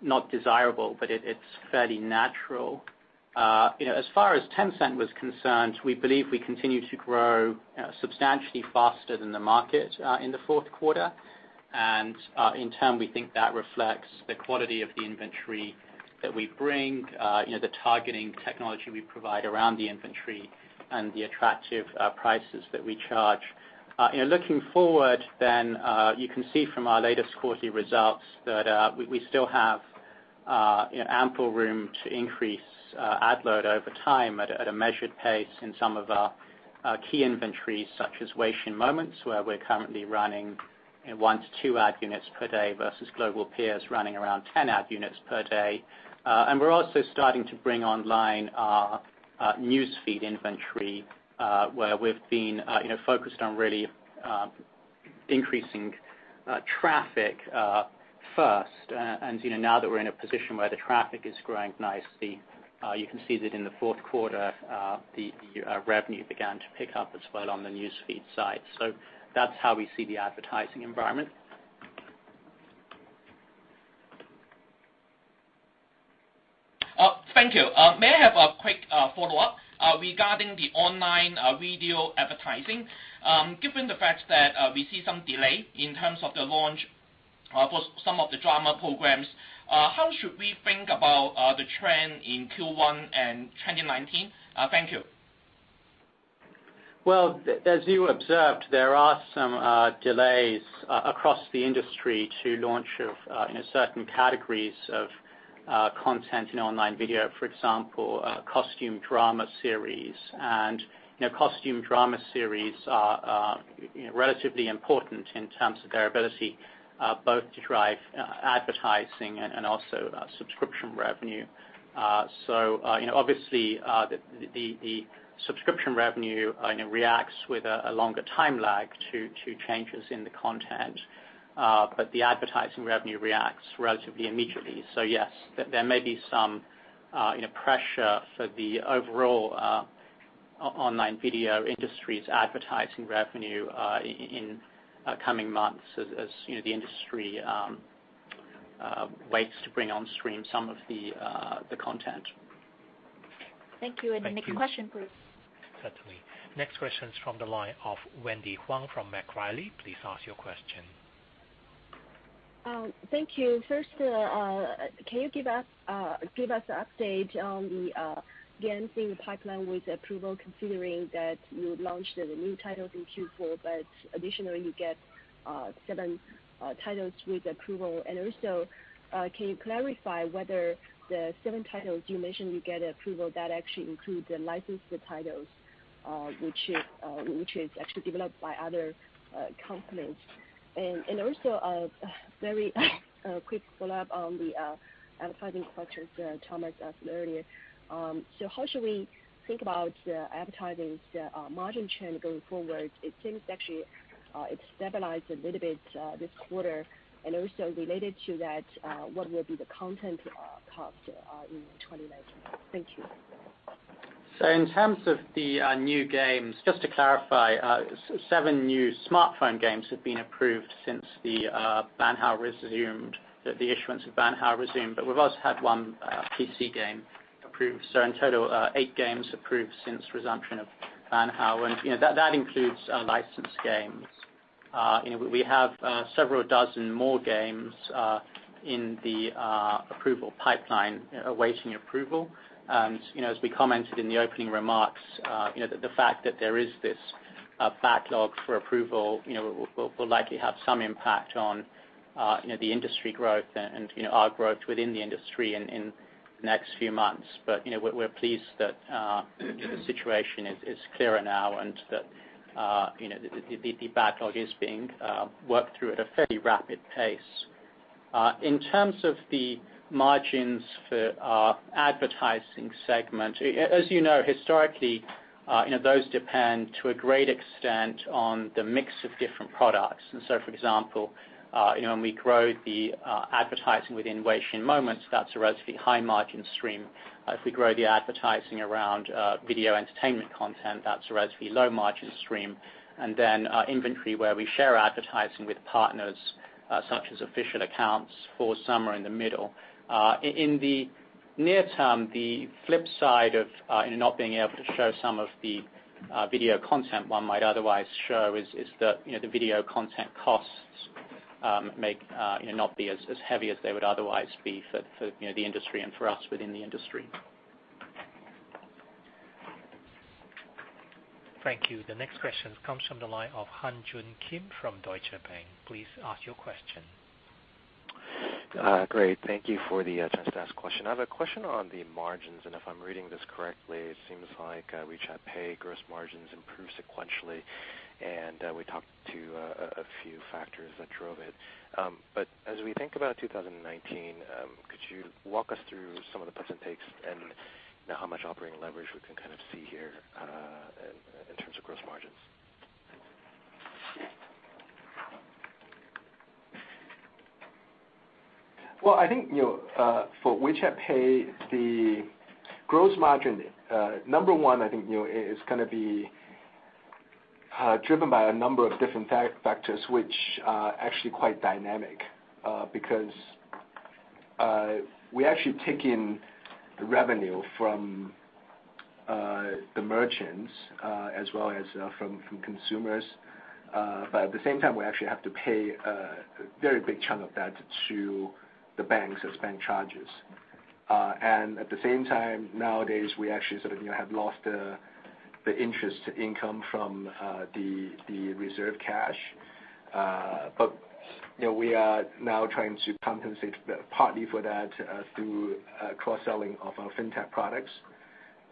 not desirable, but it's fairly natural. As far as Tencent was concerned, we believe we continue to grow substantially faster than the market in the fourth quarter and in turn, we think that reflects the quality of the inventory that we bring, the targeting technology we provide around the inventory and the attractive prices that we charge. Looking forward, you can see from our latest quarterly results that we still have ample room to increase ad load over time at a measured pace in some of our key inventories such as Weixin Moments, where we're currently running one to two ad units per day versus global peers running around 10 ad units per day. We're also starting to bring online our news feed inventory, where we've been focused on really increasing traffic first. Now that we're in a position where the traffic is growing nicely, you can see that in the fourth quarter, the revenue began to pick up as well on the news feed side. That's how we see the advertising environment. Thank you. May I have a quick follow-up regarding the online video advertising? Given the fact that we see some delay in terms of the launch for some of the drama programs, how should we think about the trend in Q1 and 2019? Thank you. Well, as you observed, there are some delays across the industry to launch of certain categories of content in online video, for example costume drama series. Costume drama series are relatively important in terms of their ability both to drive advertising and also subscription revenue. Obviously, the subscription revenue reacts with a longer time lag to changes in the content. The advertising revenue reacts relatively immediately. Yes, there may be some pressure for the overall online video industry's advertising revenue in coming months as the industry waits to bring on stream some of the content. Thank you. Thank you. The next question, please. Certainly. Next question is from the line of Wendy Huang from Macquarie. Please ask your question. Thank you. First, can you give us an update on the games in the pipeline with approval, considering that you launched the new titles in Q4, but additionally you get seven titles with approval? Also, can you clarify whether the seven titles you mentioned you get approval, that actually includes the licensed titles, which is actually developed by other companies? Also, a very quick follow-up on the advertising question Thomas asked earlier. How should we think about advertising's margin trend going forward? It seems actually it stabilized a little bit this quarter. Also related to that, what will be the content cost in 2019? Thank you. In terms of the new games, just to clarify seven new smartphone games have been approved since the ban hao resumed, the issuance of ban hao resumed, we've also had one PC game approved. In total, eight games approved since resumption of ban hao. That includes licensed games. We have several dozen more games in the approval pipeline, awaiting approval. We commented in the opening remarks, the fact that there is this backlog for approval will likely have some impact on the industry growth and our growth within the industry in the next few months. We're pleased that the situation is clearer now, and that the backlog is being worked through at a fairly rapid pace. In terms of the margins for our advertising segment, as you know historically, those depend to a great extent on the mix of different products. For example when we grow the advertising within Weixin Moments, that's a relatively high margin stream. If we grow the advertising around video entertainment content, that's a relatively low margin stream. Inventory where we share advertising with partners such as official accounts falls somewhere in the middle. In the near term, the flip side of not being able to show some of the video content one might otherwise show is that the video content costs may not be as heavy as they would otherwise be for the industry and for us within the industry. Thank you. The next question comes from the line of Han Joon Kim from Deutsche Bank. Please ask your question. Great. Thank you for the chance to ask a question. I have a question on the margins, and if I'm reading this correctly, it seems like WeChat Pay gross margins improved sequentially, and we talked to a few factors that drove it. As we think about 2019, could you walk us through some of the puts and takes and how much operating leverage we can kind of see here in terms of gross margins? I think for WeChat Pay the gross margin, number one, I think is going to be driven by a number of different factors which are actually quite dynamic, because we actually take in the revenue from the merchants as well as from consumers. At the same time, we actually have to pay a very big chunk of that to the banks as bank charges. At the same time, nowadays, we actually sort of have lost the interest income from the reserve cash. We are now trying to compensate partly for that through cross-selling of our FinTech products.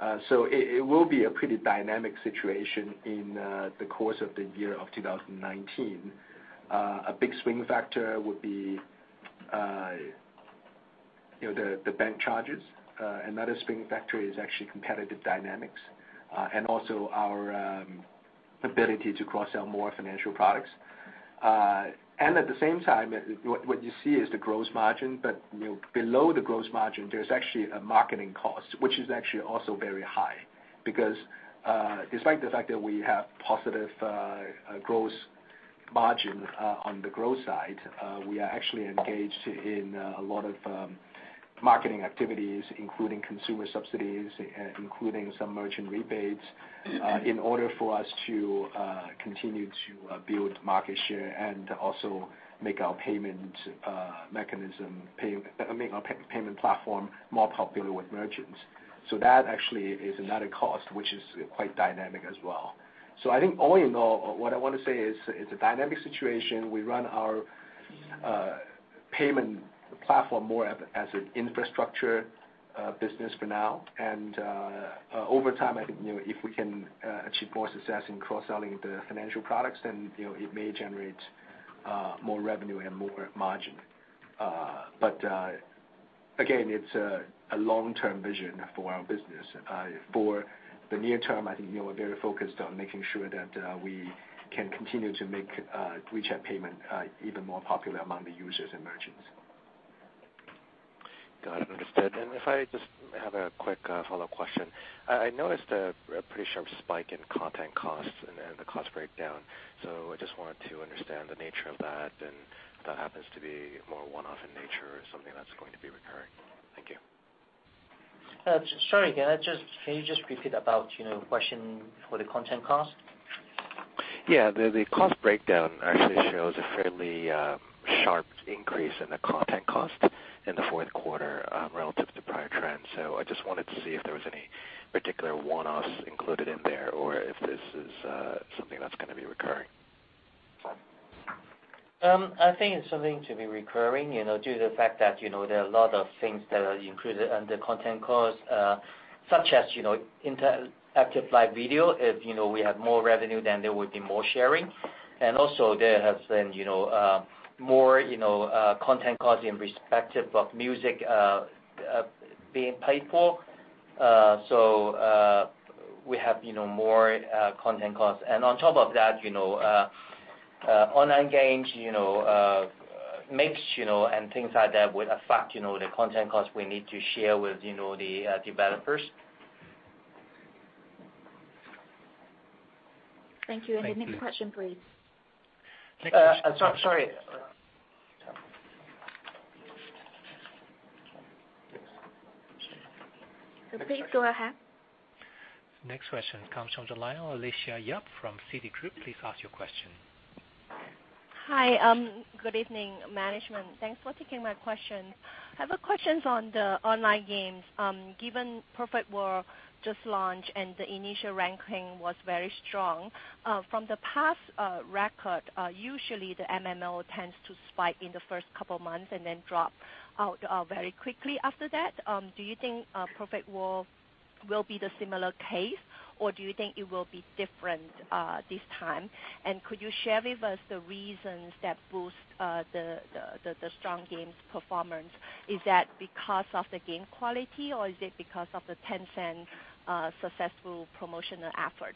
It will be a pretty dynamic situation in the course of the year of 2019. A big swing factor would be the bank charges. Another swing factor is actually competitive dynamics, and also our ability to cross-sell more financial products. At the same time, what you see is the gross margin, but below the gross margin, there's actually a marketing cost, which is actually also very high, because despite the fact that we have positive gross margin on the growth side, we are actually engaged in a lot of marketing activities, including consumer subsidies, including some merchant rebates, in order for us to continue to build market share and also make our payment platform more popular with merchants. That actually is another cost, which is quite dynamic as well. I think all in all, what I want to say is, it's a dynamic situation. We run our- Payment platform more as an infrastructure business for now. Over time, I think if we can achieve more success in cross-selling the financial products, it may generate more revenue and more margin. Again, it's a long-term vision for our business. For the near term, I think we're very focused on making sure that we can continue to make WeChat payment even more popular among the users and merchants. Got it. Understood. If I just have a quick follow-up question. I noticed a pretty sharp spike in content costs and the cost breakdown, I just wanted to understand the nature of that and if that happens to be more one-off in nature or something that's going to be recurring. Thank you. Sorry, can you just repeat about question for the content cost? Yeah. The cost breakdown actually shows a fairly sharp increase in the content cost in the fourth quarter relative to prior trends. I just wanted to see if there was any particular one-offs included in there or if this is something that's going to be recurring. I think it's something to be recurring, due to the fact that there are a lot of things that are included under content cost, such as interactive live video. If we have more revenue, then there would be more sharing. There has been more content cost in respective of music being paid for. We have more content costs. On top of that, online games, Mini and things like that would affect the content cost we need to share with the developers. Thank you. The next question, please. Sorry. Please go ahead. Next question comes from the line, Alicia Yap from Citigroup. Please ask your question. Hi. Good evening, management. Thanks for taking my question. I have a question on the online games. Given Perfect World just launched and the initial ranking was very strong, from the past record, usually the MMO tends to spike in the first couple of months and then drop out very quickly after that. Do you think Perfect World will be the similar case, or do you think it will be different this time? Could you share with us the reasons that boost the strong games performance? Is that because of the game quality, or is it because of the Tencent successful promotional effort?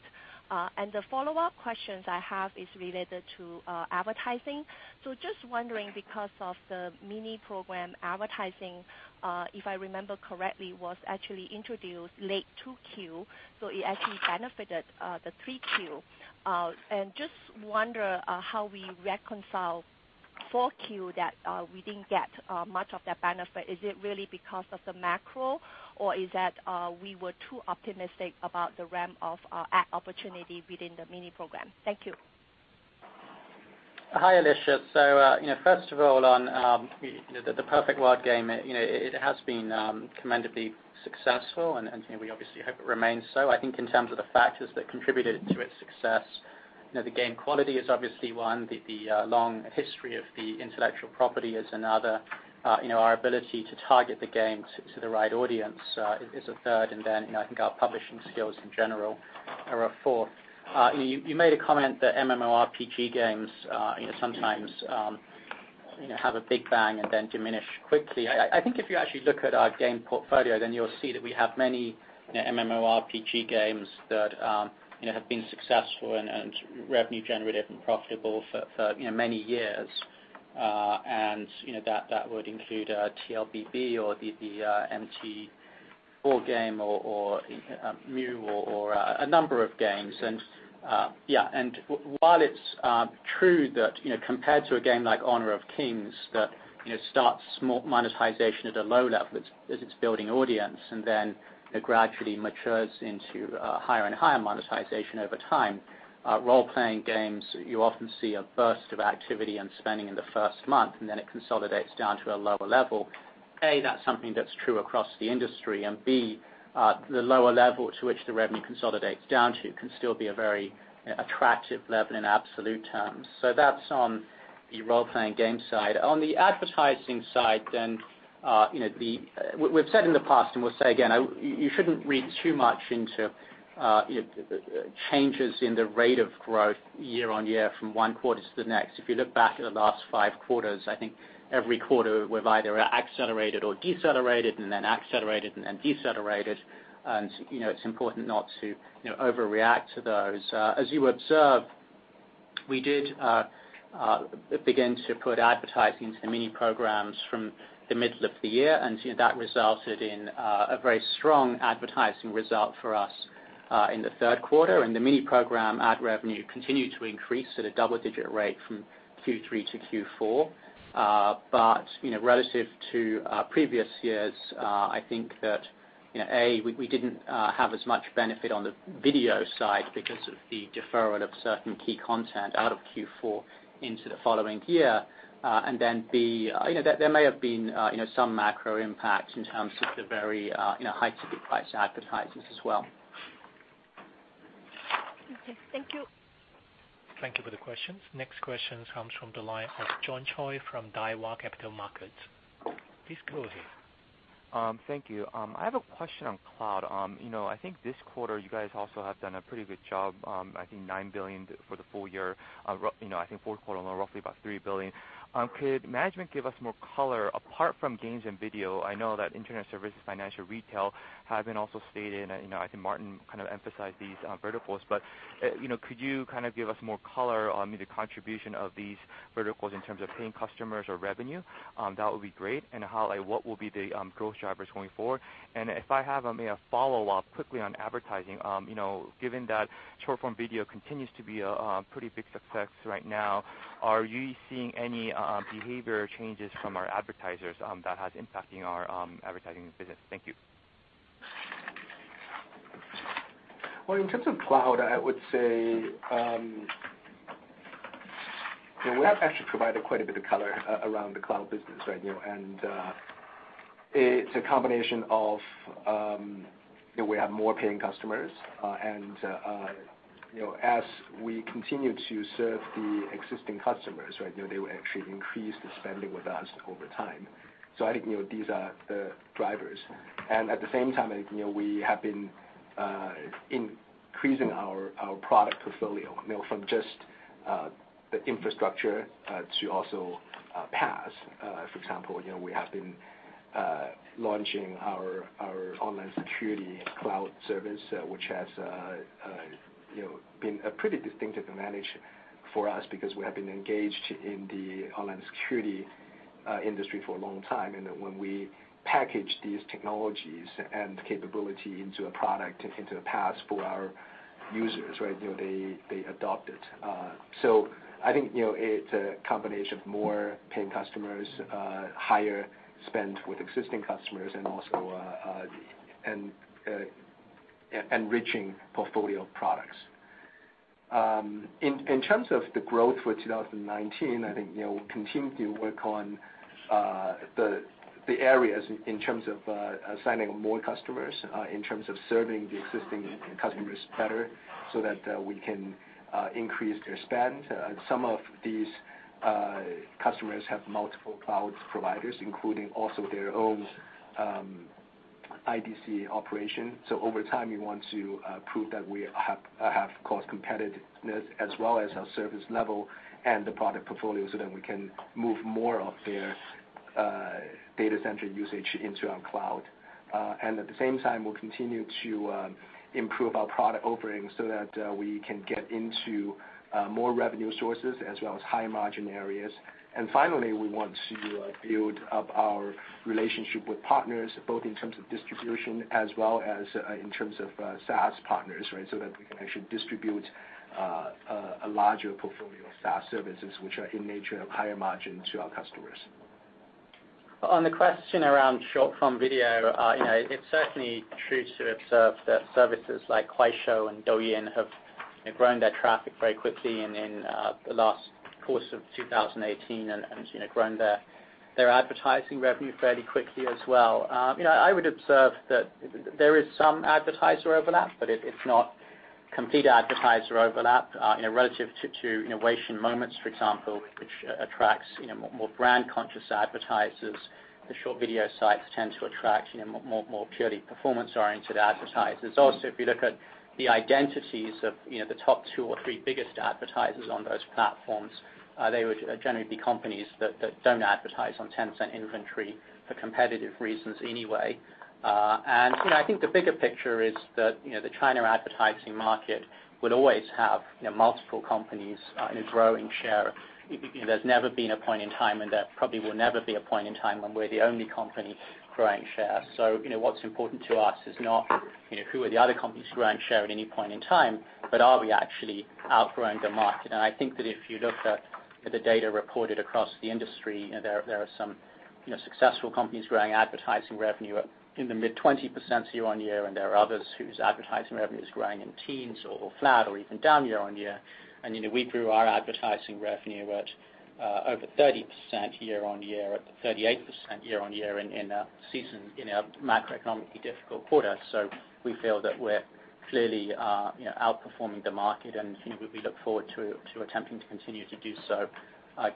The follow-up questions I have is related to advertising. Just wondering because of the Mini Program advertising, if I remember correctly, was actually introduced late 2Q, so it actually benefited the 3Q. Just wonder how we reconcile 4Q that we didn't get much of that benefit. Is it really because of the macro or is that we were too optimistic about the ramp of ad opportunity within the Mini Program? Thank you. Hi, Alicia. First of all, on the Perfect World game, it has been commendably successful, and we obviously hope it remains so. I think in terms of the factors that contributed to its success, the game quality is obviously one, the long history of the IP is another, our ability to target the game to the right audience is a third, I think our publishing skills in general are a fourth. You made a comment that MMORPG games sometimes have a big bang and diminish quickly. I think if you actually look at our game portfolio, you'll see that we have many MMORPG games that have been successful and revenue generative and profitable for many years. That would include TLBB or the MT4 game or MU or a number of games. While it's true that compared to a game like Honor of Kings, that starts monetization at a low level as it's building audience, it gradually matures into higher and higher monetization over time. Role-playing games, you often see a burst of activity and spending in the first month, it consolidates down to a lower level. A, that's something that's true across the industry, and B, the lower level to which the revenue consolidates down to can still be a very attractive level in absolute terms. That's on the role-playing game side. On the advertising side, we've said in the past and we'll say again, you shouldn't read too much into changes in the rate of growth year-over-year from one quarter to the next. If you look back at the last five quarters, I think every quarter we've either accelerated or decelerated and accelerated and decelerated. It's important not to overreact to those. As you observed, we did begin to put advertising into the Mini Programs from the middle of the year, and that resulted in a very strong advertising result for us in the third quarter. The Mini Program ad revenue continued to increase at a double-digit rate from Q3 to Q4. Relative to previous years, I think that, A, we didn't have as much benefit on the video side because of the deferral of certain key content out of Q4 into the following year. B, there may have been some macro impact in terms of the very high ticket price advertisers as well. Okay. Thank you. Thank you for the questions. Next questions comes from the line of John Choi from Daiwa Capital Markets. Please go ahead. Thank you. I have a question on Cloud. I think this quarter you guys also have done a pretty good job, I think 9 billion for the full year. I think fourth quarter roughly about 3 billion. Could management give us more color apart from gains in video? I know that internet services, financial, retail have been also stated, I think Martin kind of emphasized these verticals, but could you give us more color on the contribution of these verticals in terms of paying customers or revenue? That would be great, what will be the growth drivers going forward? If I have a follow-up quickly on advertising. Given that short-form video continues to be a pretty big success right now, are you seeing any behavior changes from our advertisers that has impact in our advertising business? Thank you. Well, in terms of Cloud, I would say, we have actually provided quite a bit of color around the cloud business right now. It's a combination of we have more paying customers, and as we continue to serve the existing customers, they will actually increase the spending with us over time. I think these are the drivers. At the same time, we have been increasing our product portfolio from just the infrastructure to also PaaS. For example, we have been launching our online security cloud service, which has been a pretty distinctive advantage for us because we have been engaged in the online security industry for a long time. When we package these technologies and capability into a product, into a PaaS for our users, they adopt it. I think it's a combination of more paying customers, higher spend with existing customers, and also enriching portfolio products. In terms of the growth for 2019, I think we'll continue to work on the areas in terms of signing more customers, in terms of serving the existing customers better so that we can increase their spend. Some of these customers have multiple cloud providers, including also their own IDC operation. Over time, we want to prove that we have cost competitiveness as well as our service level and the product portfolio so that we can move more of their data center usage into our cloud. At the same time, we'll continue to improve our product offerings so that we can get into more revenue sources as well as high margin areas. Finally, we want to build up our relationship with partners, both in terms of distribution as well as in terms of SaaS partners, so that we can actually distribute a larger portfolio of SaaS services, which are in nature of higher margin to our customers. On the question around short-form video, it's certainly true to observe that services like Kuaishou and Douyin have grown their traffic very quickly in the last course of 2018 and have grown their advertising revenue fairly quickly as well. I would observe that there is some advertiser overlap, but it's not complete advertiser overlap, relative to Weixin Moments, for example, which attracts more brand-conscious advertisers. The short video sites tend to attract more purely performance-oriented advertisers. Also, if you look at the identities of the top two or three biggest advertisers on those platforms, they would generally be companies that don't advertise on Tencent inventory for competitive reasons anyway. I think the bigger picture is that the China advertising market will always have multiple companies in a growing share. There's never been a point in time, and there probably will never be a point in time when we're the only company growing share. What's important to us is not who are the other companies growing share at any point in time, but are we actually outgrowing the market? I think that if you look at the data reported across the industry, there are some successful companies growing advertising revenue in the mid-20% year-on-year, and there are others whose advertising revenue is growing in teens or flat or even down year-on-year. We grew our advertising revenue at over 30% year-on-year, at 38% year-on-year in a macroeconomically difficult quarter. We feel that we're clearly outperforming the market, and we look forward to attempting to continue to do so,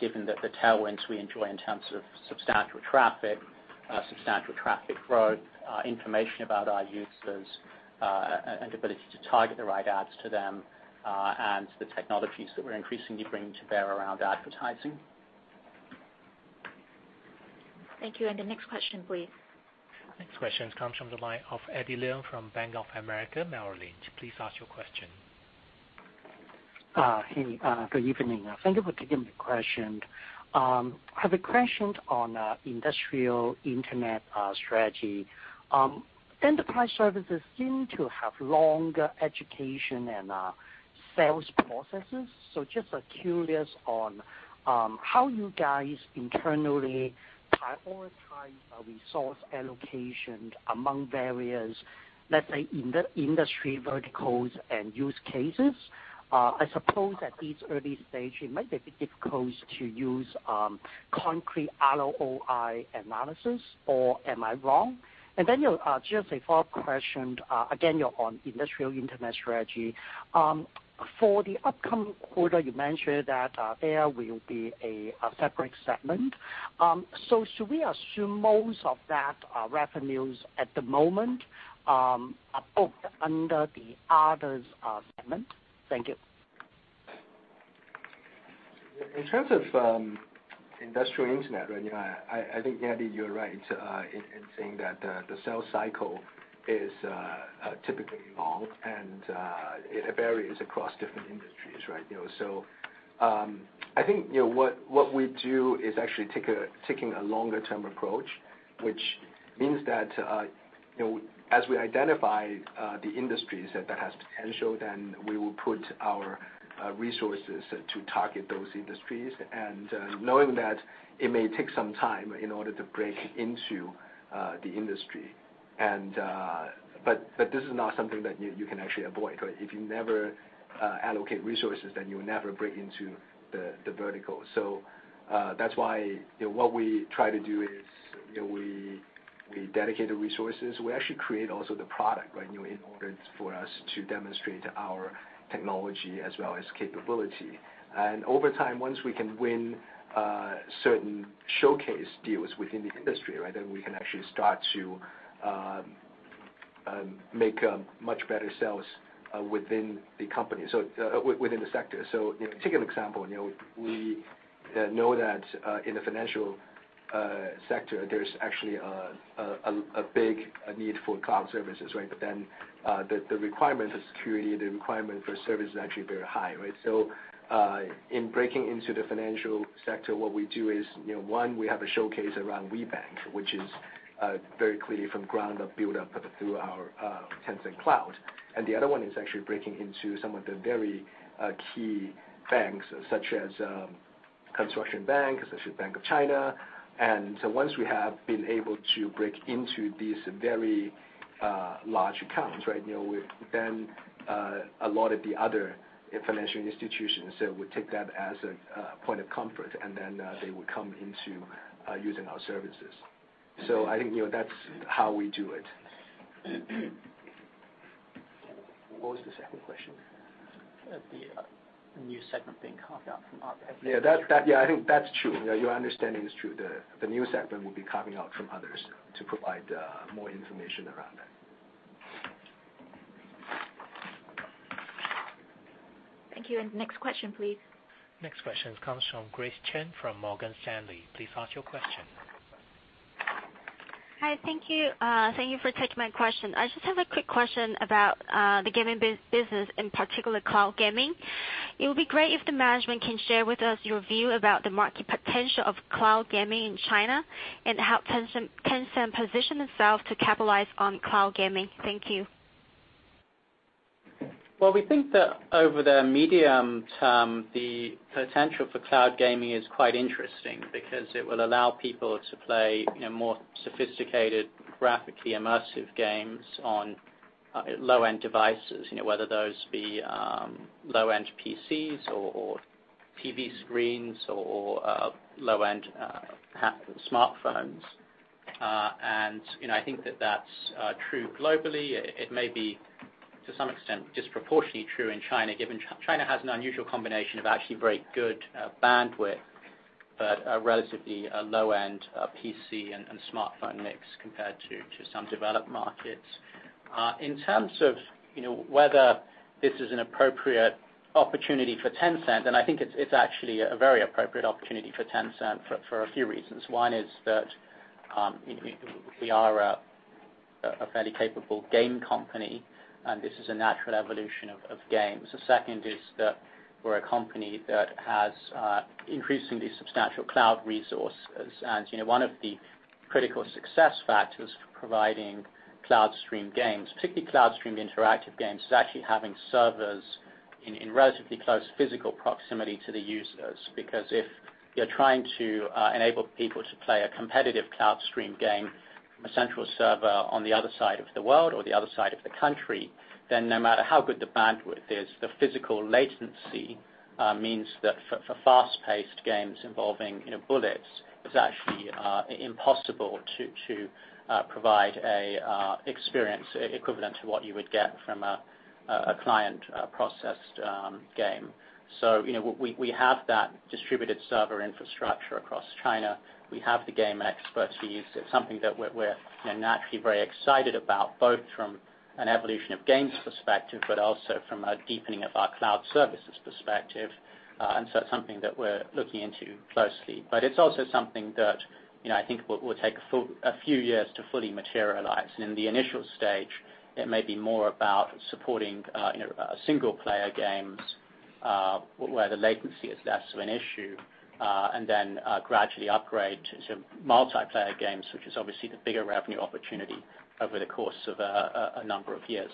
given that the tailwinds we enjoy in terms of substantial traffic, substantial traffic growth, information about our users, and ability to target the right ads to them, and the technologies that we're increasingly bringing to bear around advertising. Thank you. The next question, please. Next question comes from the line of Eddie Leung from Bank of America Merrill Lynch. Please ask your question. Hey, good evening. Thank you for taking the question. I have a question on industrial internet strategy. Enterprise services seem to have longer education and sales processes. Just curious on how you guys internally prioritize resource allocation among various, let's say, industry verticals and use cases. I suppose at this early stage, it might be difficult to use concrete ROI analysis, or am I wrong? Just a follow-up question, again, on industrial internet strategy. For the upcoming quarter, you mentioned that there will be a separate segment. Should we assume most of that revenue at the moment are booked under the Others segment? Thank you. In terms of industrial internet, I think, Eddie, you are right in saying that the sales cycle is typically long, and it varies across different industries, right? I think what we do is actually taking a longer-term approach, which means that as we identify the industries that have potential, then we will put our resources to target those industries, and knowing that it may take some time in order to break into the industry. This is not something that you can actually avoid. If you never allocate resources, then you never break into the vertical. That is why what we try to do is we dedicate the resources. We actually create also the product in order for us to demonstrate our technology as well as capability. Over time, once we can win certain showcase deals within the industry, we can actually start to make much better sales within the sector. Take an example. We know that in the financial sector, there's actually a big need for cloud services. The requirement for security, the requirement for service is actually very high. In breaking into the financial sector, what we do is, one, we have a showcase around WeBank, which is very clearly from ground up build up through our Tencent Cloud. The other one is actually breaking into some of the very key banks, such as China Construction Bank, such as Bank of China. Once we have been able to break into these very large accounts, a lot of the other financial institutions would take that as a point of comfort, they would come into using our services. I think that's how we do it. What was the second question? The new segment being carved out from Others. I think that's true. Your understanding is true. The new segment will be carving out from Others to provide more information around that. Thank you. Next question, please. Next question comes from Grace Chen from Morgan Stanley. Please ask your question. Hi, thank you. Thank you for taking my question. I just have a quick question about the gaming business, in particular, cloud gaming. It would be great if the management can share with us your view about the market potential of cloud gaming in China, and how Tencent position itself to capitalize on cloud gaming. Thank you. Well, we think that over the medium term, the potential for cloud gaming is quite interesting because it will allow people to play more sophisticated, graphically immersive games on low-end devices, whether those be low-end PCs or TV screens or low-end smartphones. I think that that's true globally. It may be, to some extent, disproportionately true in China, given China has an unusual combination of actually very good bandwidth, but a relatively low-end PC and smartphone mix compared to some developed markets. In terms of whether this is an appropriate opportunity for Tencent, and I think it's actually a very appropriate opportunity for Tencent for a few reasons. One is that we are a fairly capable game company, and this is a natural evolution of games. The second is that we're a company that has increasingly substantial cloud resources. One of the critical success factors for providing cloud stream games, particularly cloud stream interactive games, is actually having servers in relatively close physical proximity to the users. Because if you're trying to enable people to play a competitive cloud stream game from a central server on the other side of the world or the other side of the country, then no matter how good the bandwidth is, the physical latency means that for fast-paced games involving bullets, it's actually impossible to provide an experience equivalent to what you would get from a client-processed game. We have that distributed server infrastructure across China. We have the game expertise. It's something that we're naturally very excited about, both from an evolution of games perspective, but also from a deepening of our cloud services perspective. It's something that we're looking into closely. It's also something that I think will take a few years to fully materialize. In the initial stage, it may be more about supporting single-player games, where the latency is less of an issue, then gradually upgrade to multiplayer games, which is obviously the bigger revenue opportunity over the course of a number of years.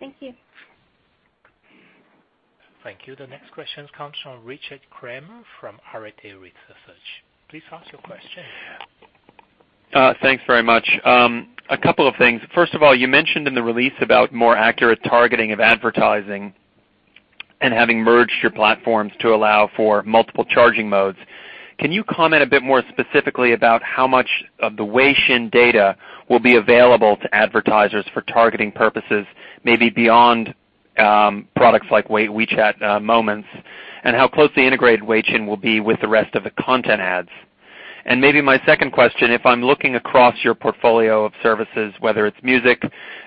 Thank you. Thank you. The next question comes from Richard Kramer from Arete Research. Please ask your question. Thanks very much. A couple of things. First of all, you mentioned in the release about more accurate targeting of advertising and having merged your platforms to allow for multiple charging modes. Can you comment a bit more specifically about how much of the Weixin data will be available to advertisers for targeting purposes, maybe beyond products like WeChat Moments, and how closely integrated Weixin will be with the rest of the content ads? Maybe my second question, if I'm looking across your portfolio of services, whether it's music,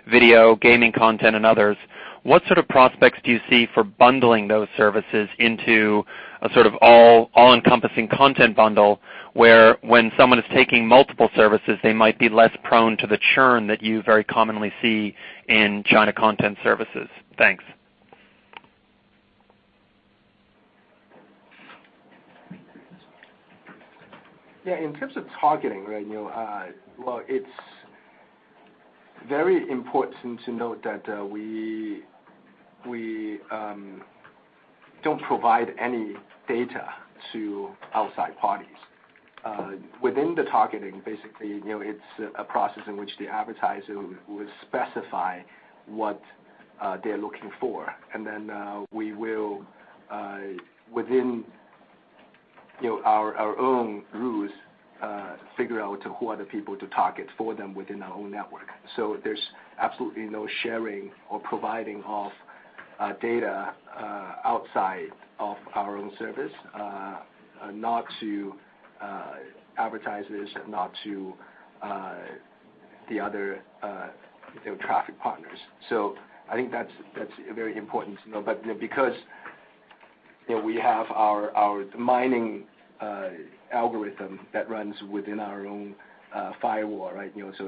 video, gaming content, and others, what sort of prospects do you see for bundling those services into a sort of all-encompassing content bundle, where when someone is taking multiple services, they might be less prone to the churn that you very commonly see in China content services? Thanks. Yeah. In terms of targeting, well, it's very important to note that we don't provide any data to outside parties. Within the targeting, basically, it's a process in which the advertiser will specify what they're looking for. Then we will, within our own rules, figure out who are the people to target for them within our own network. There's absolutely no sharing or providing of data outside of our own service, not to advertisers, not to the other traffic partners. I think that's very important to know. Because we have our mining algorithm that runs within our own firewall,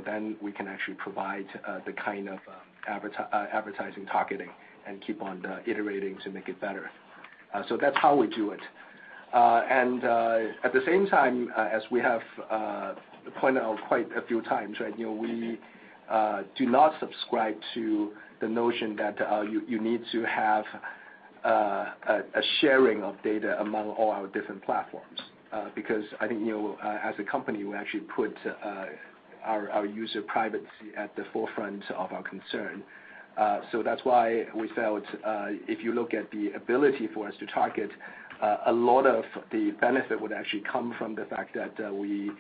then we can actually provide the kind of advertising targeting and keep on iterating to make it better. That's how we do it. At the same time, as we have pointed out quite a few times, we do not subscribe to the notion that you need to have a sharing of data among all our different platforms. Because I think as a company, we actually put our user privacy at the forefront of our concern. That's why we felt, if you look at the ability for us to target, a lot of the benefit would actually come from the fact that we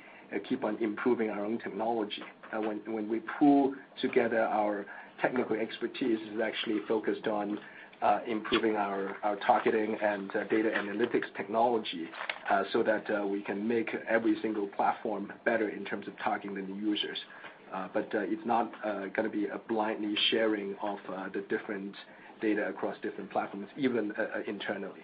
keep on improving our own technology. When we pool together our technical expertise, it is actually focused on improving our targeting and data analytics technology, so that we can make every single platform better in terms of targeting the users. It's not going to be a blindly sharing of the different data across different platforms, even internally.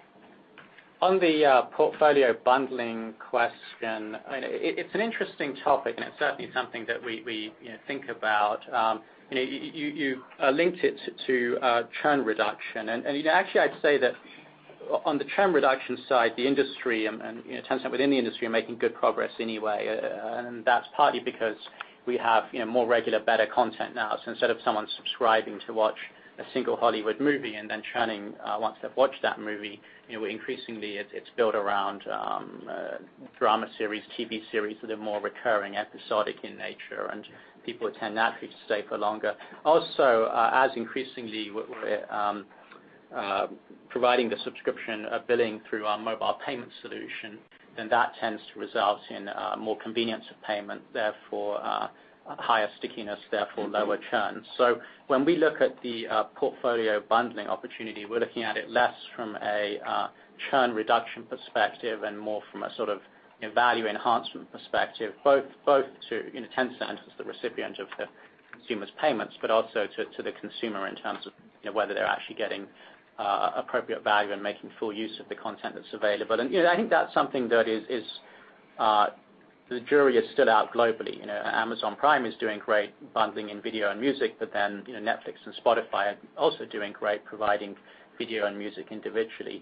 On the portfolio bundling question, it's an interesting topic, and it's certainly something that we think about. You linked it to churn reduction, and actually, I'd say that on the churn reduction side, the industry and Tencent within the industry are making good progress anyway. That's partly because we have more regular, better content now. Instead of someone subscribing to watch a single Hollywood movie and then churning once they've watched that movie, increasingly, it's built around drama series, TV series that are more recurring, episodic in nature, and people tend naturally to stay for longer. Also, as increasingly we're providing the subscription billing through our mobile payment solution, then that tends to result in more convenience of payment, therefore higher stickiness, therefore lower churn. When we look at the portfolio bundling opportunity, we're looking at it less from a churn reduction perspective and more from a sort of value enhancement perspective, both to Tencent as the recipient of the consumer's payments, also to the consumer in terms of whether they're actually getting appropriate value and making full use of the content that's available. I think that's something that the jury is still out globally. Amazon Prime is doing great bundling in video and music, Netflix and Spotify are also doing great, providing video and music individually.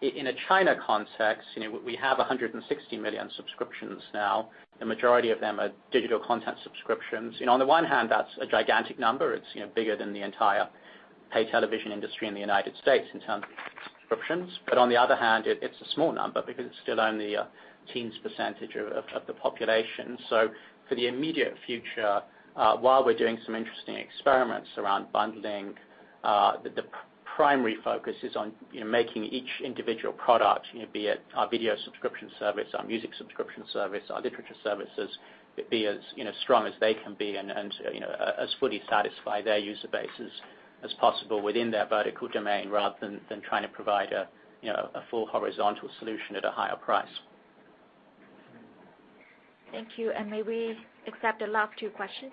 In a China context, we have 160 million subscriptions now. The majority of them are digital content subscriptions. On the one hand, that's a gigantic number. It's bigger than the entire pay television industry in the U.S. in terms of subscriptions. On the other hand, it's a small number because it's still only a teens percentage of the population. For the immediate future, while we're doing some interesting experiments around bundling, the primary focus is on making each individual product, be it our video subscription service, our music subscription service, our literature services, be as strong as they can be and as fully satisfy their user bases as possible within their vertical domain, rather than trying to provide a full horizontal solution at a higher price. Thank you. May we accept the last two questions?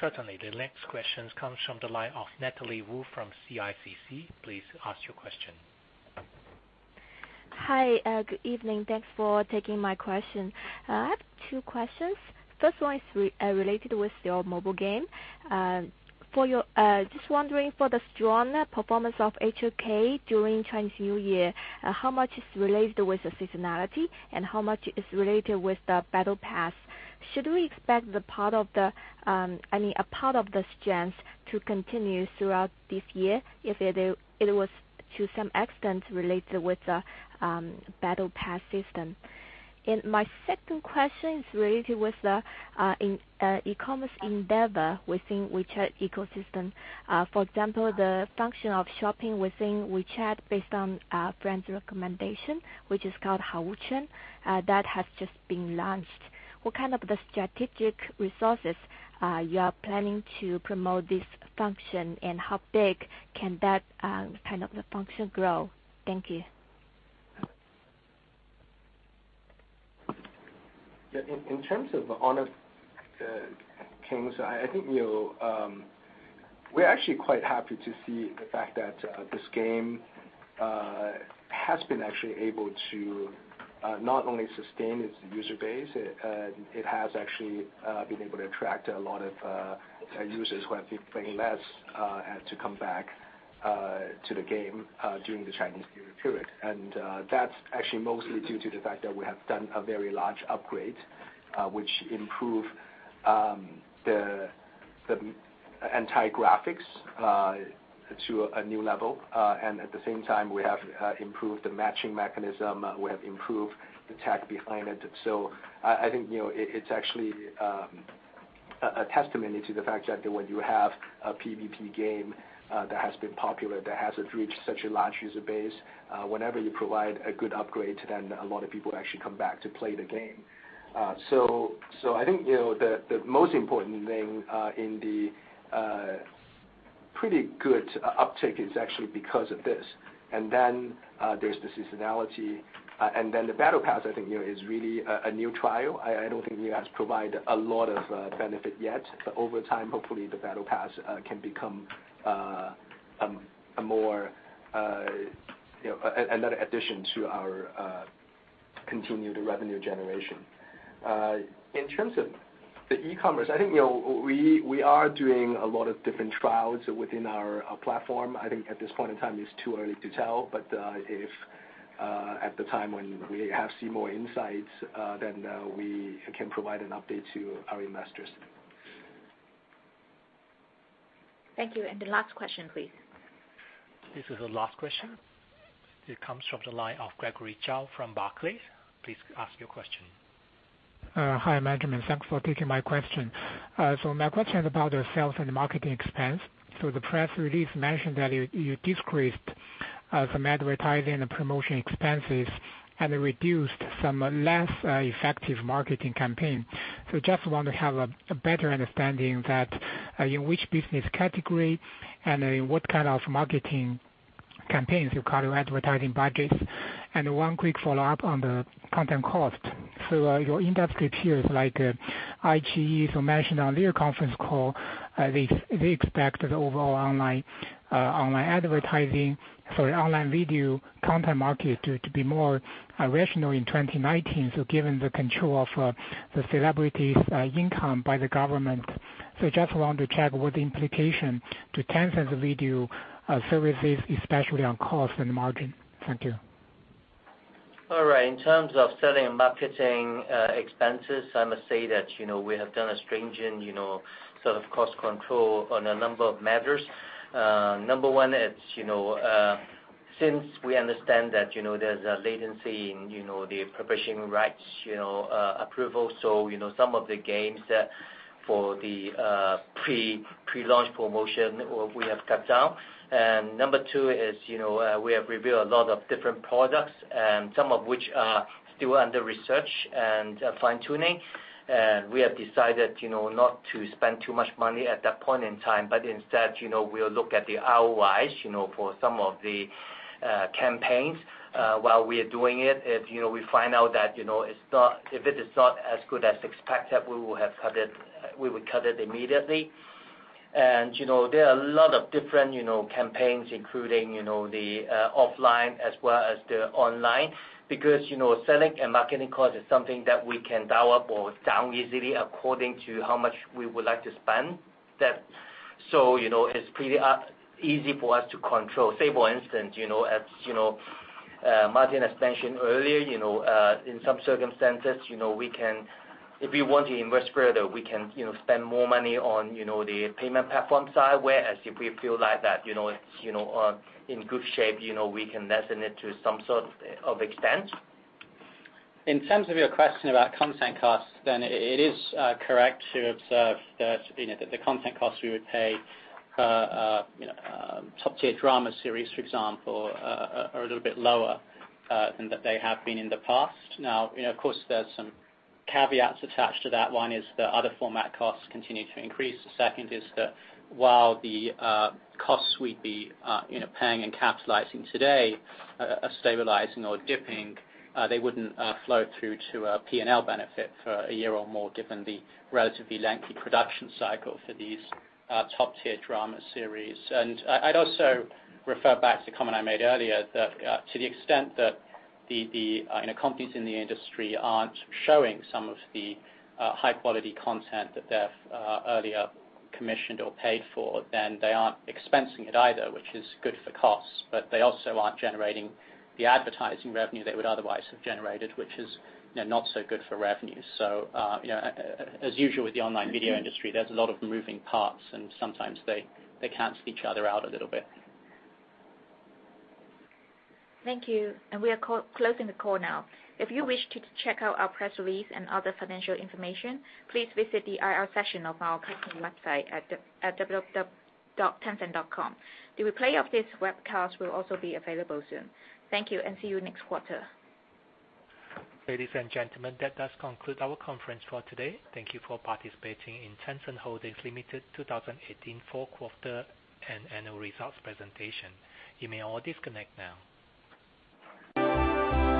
Certainly. The next questions comes from the line of Natalie Wu from CICC. Please ask your question. Hi. Good evening. Thanks for taking my question. I have two questions. First one is related with your mobile game. Just wondering for the strong performance of HOK during Chinese New Year, how much is related with the seasonality, and how much is related with the battle pass? Should we expect a part of the strengths to continue throughout this year if it was to some extent related with the battle pass system? My second question is related with the e-commerce endeavor within WeChat ecosystem. For example, the function of shopping within WeChat based on a friend's recommendation, which is called Haowuquan, that has just been launched. What kind of strategic resources are you planning to promote this function, and how big can that kind of function grow? Thank you. In terms of the Honor of Kings, I think we're actually quite happy to see the fact that this game has been actually able to not only sustain its user base, it has actually been able to attract a lot of users who have been playing less to come back to the game during the Chinese New Year period. That's actually mostly due to the fact that we have done a very large upgrade, which improved the entire graphics to a new level. At the same time, we have improved the matching mechanism, we have improved the tech behind it. I think it's actually a testimony to the fact that when you have a PVP game that has been popular, that has reached such a large user base, whenever you provide a good upgrade, then a lot of people actually come back to play the game. I think the most important thing in the pretty good uptake is actually because of this. There's the seasonality, the battle pass, I think, is really a new trial. I don't think it has provided a lot of benefit yet, but over time, hopefully, the battle pass can become another addition to our continued revenue generation. In terms of the e-commerce, I think we are doing a lot of different trials within our platform. I think at this point in time, it's too early to tell, but if at the time when we have seen more insights, then we can provide an update to our investors. Thank you. The last question, please. This is the last question. It comes from the line of Gregory Zhao from Barclays. Please ask your question. Hi, management. Thanks for taking my question. My question is about your sales and marketing expense. The press release mentioned that you decreased some advertising and promotion expenses and reduced some less effective marketing campaign. Just want to have a better understanding that in which business category and in what kind of marketing campaigns you cut your advertising budgets. One quick follow-up on the content cost. Your industry peers like iQIYI, who mentioned on their conference call, they expect the overall online advertising, sorry, online video content market to be more rational in 2019. Given the control of the celebrities' income by the government. Just want to check what the implication to Tencent's video services, especially on cost and margin. Thank you. All right. In terms of selling and marketing expenses, I must say that we have done a stringent sort of cost control on a number of matters. Number one, it's since we understand that there's a latency in the publishing rights approval, some of the games for the pre-launch promotion, we have cut down. Number two is we have reviewed a lot of different products, some of which are still under research and fine-tuning. We have decided not to spend too much money at that point in time, but instead, we'll look at the ROIs for some of the campaigns. While we're doing it, if we find out that if it is not as good as expected, we would cut it immediately. There are a lot of different campaigns, including the offline as well as the online, because selling and marketing cost is something that we can dial up or down easily according to how much we would like to spend. It's pretty easy for us to control. Say, for instance, as Martin has mentioned earlier, in some circumstances, if we want to invest further, we can spend more money on the payment platform side, whereas if we feel like that in good shape, we can lessen it to some sort of extent. In terms of your question about content costs, it is correct to observe that the content costs we would pay top-tier drama series, for example, are a little bit lower than they have been in the past. Of course, there's some caveats attached to that. One is that other format costs continue to increase. The second is that while the costs we'd be paying and capitalizing today are stabilizing or dipping, they wouldn't flow through to a P&L benefit for a year or more given the relatively lengthy production cycle for these top-tier drama series. I'd also refer back to the comment I made earlier that to the extent that the companies in the industry aren't showing some of the high-quality content that they've earlier commissioned or paid for, they aren't expensing it either, which is good for costs, they also aren't generating the advertising revenue they would otherwise have generated, which is not so good for revenue. As usual with the online video industry, there's a lot of moving parts, and sometimes they cancel each other out a little bit. Thank you. We are closing the call now. If you wish to check out our press release and other financial information, please visit the IR section of our company website at www.tencent.com. The replay of this webcast will also be available soon. Thank you, and see you next quarter. Ladies and gentlemen, that does conclude our conference call today. Thank you for participating in Tencent Holdings Limited 2018 fourth quarter and annual results presentation. You may all disconnect now.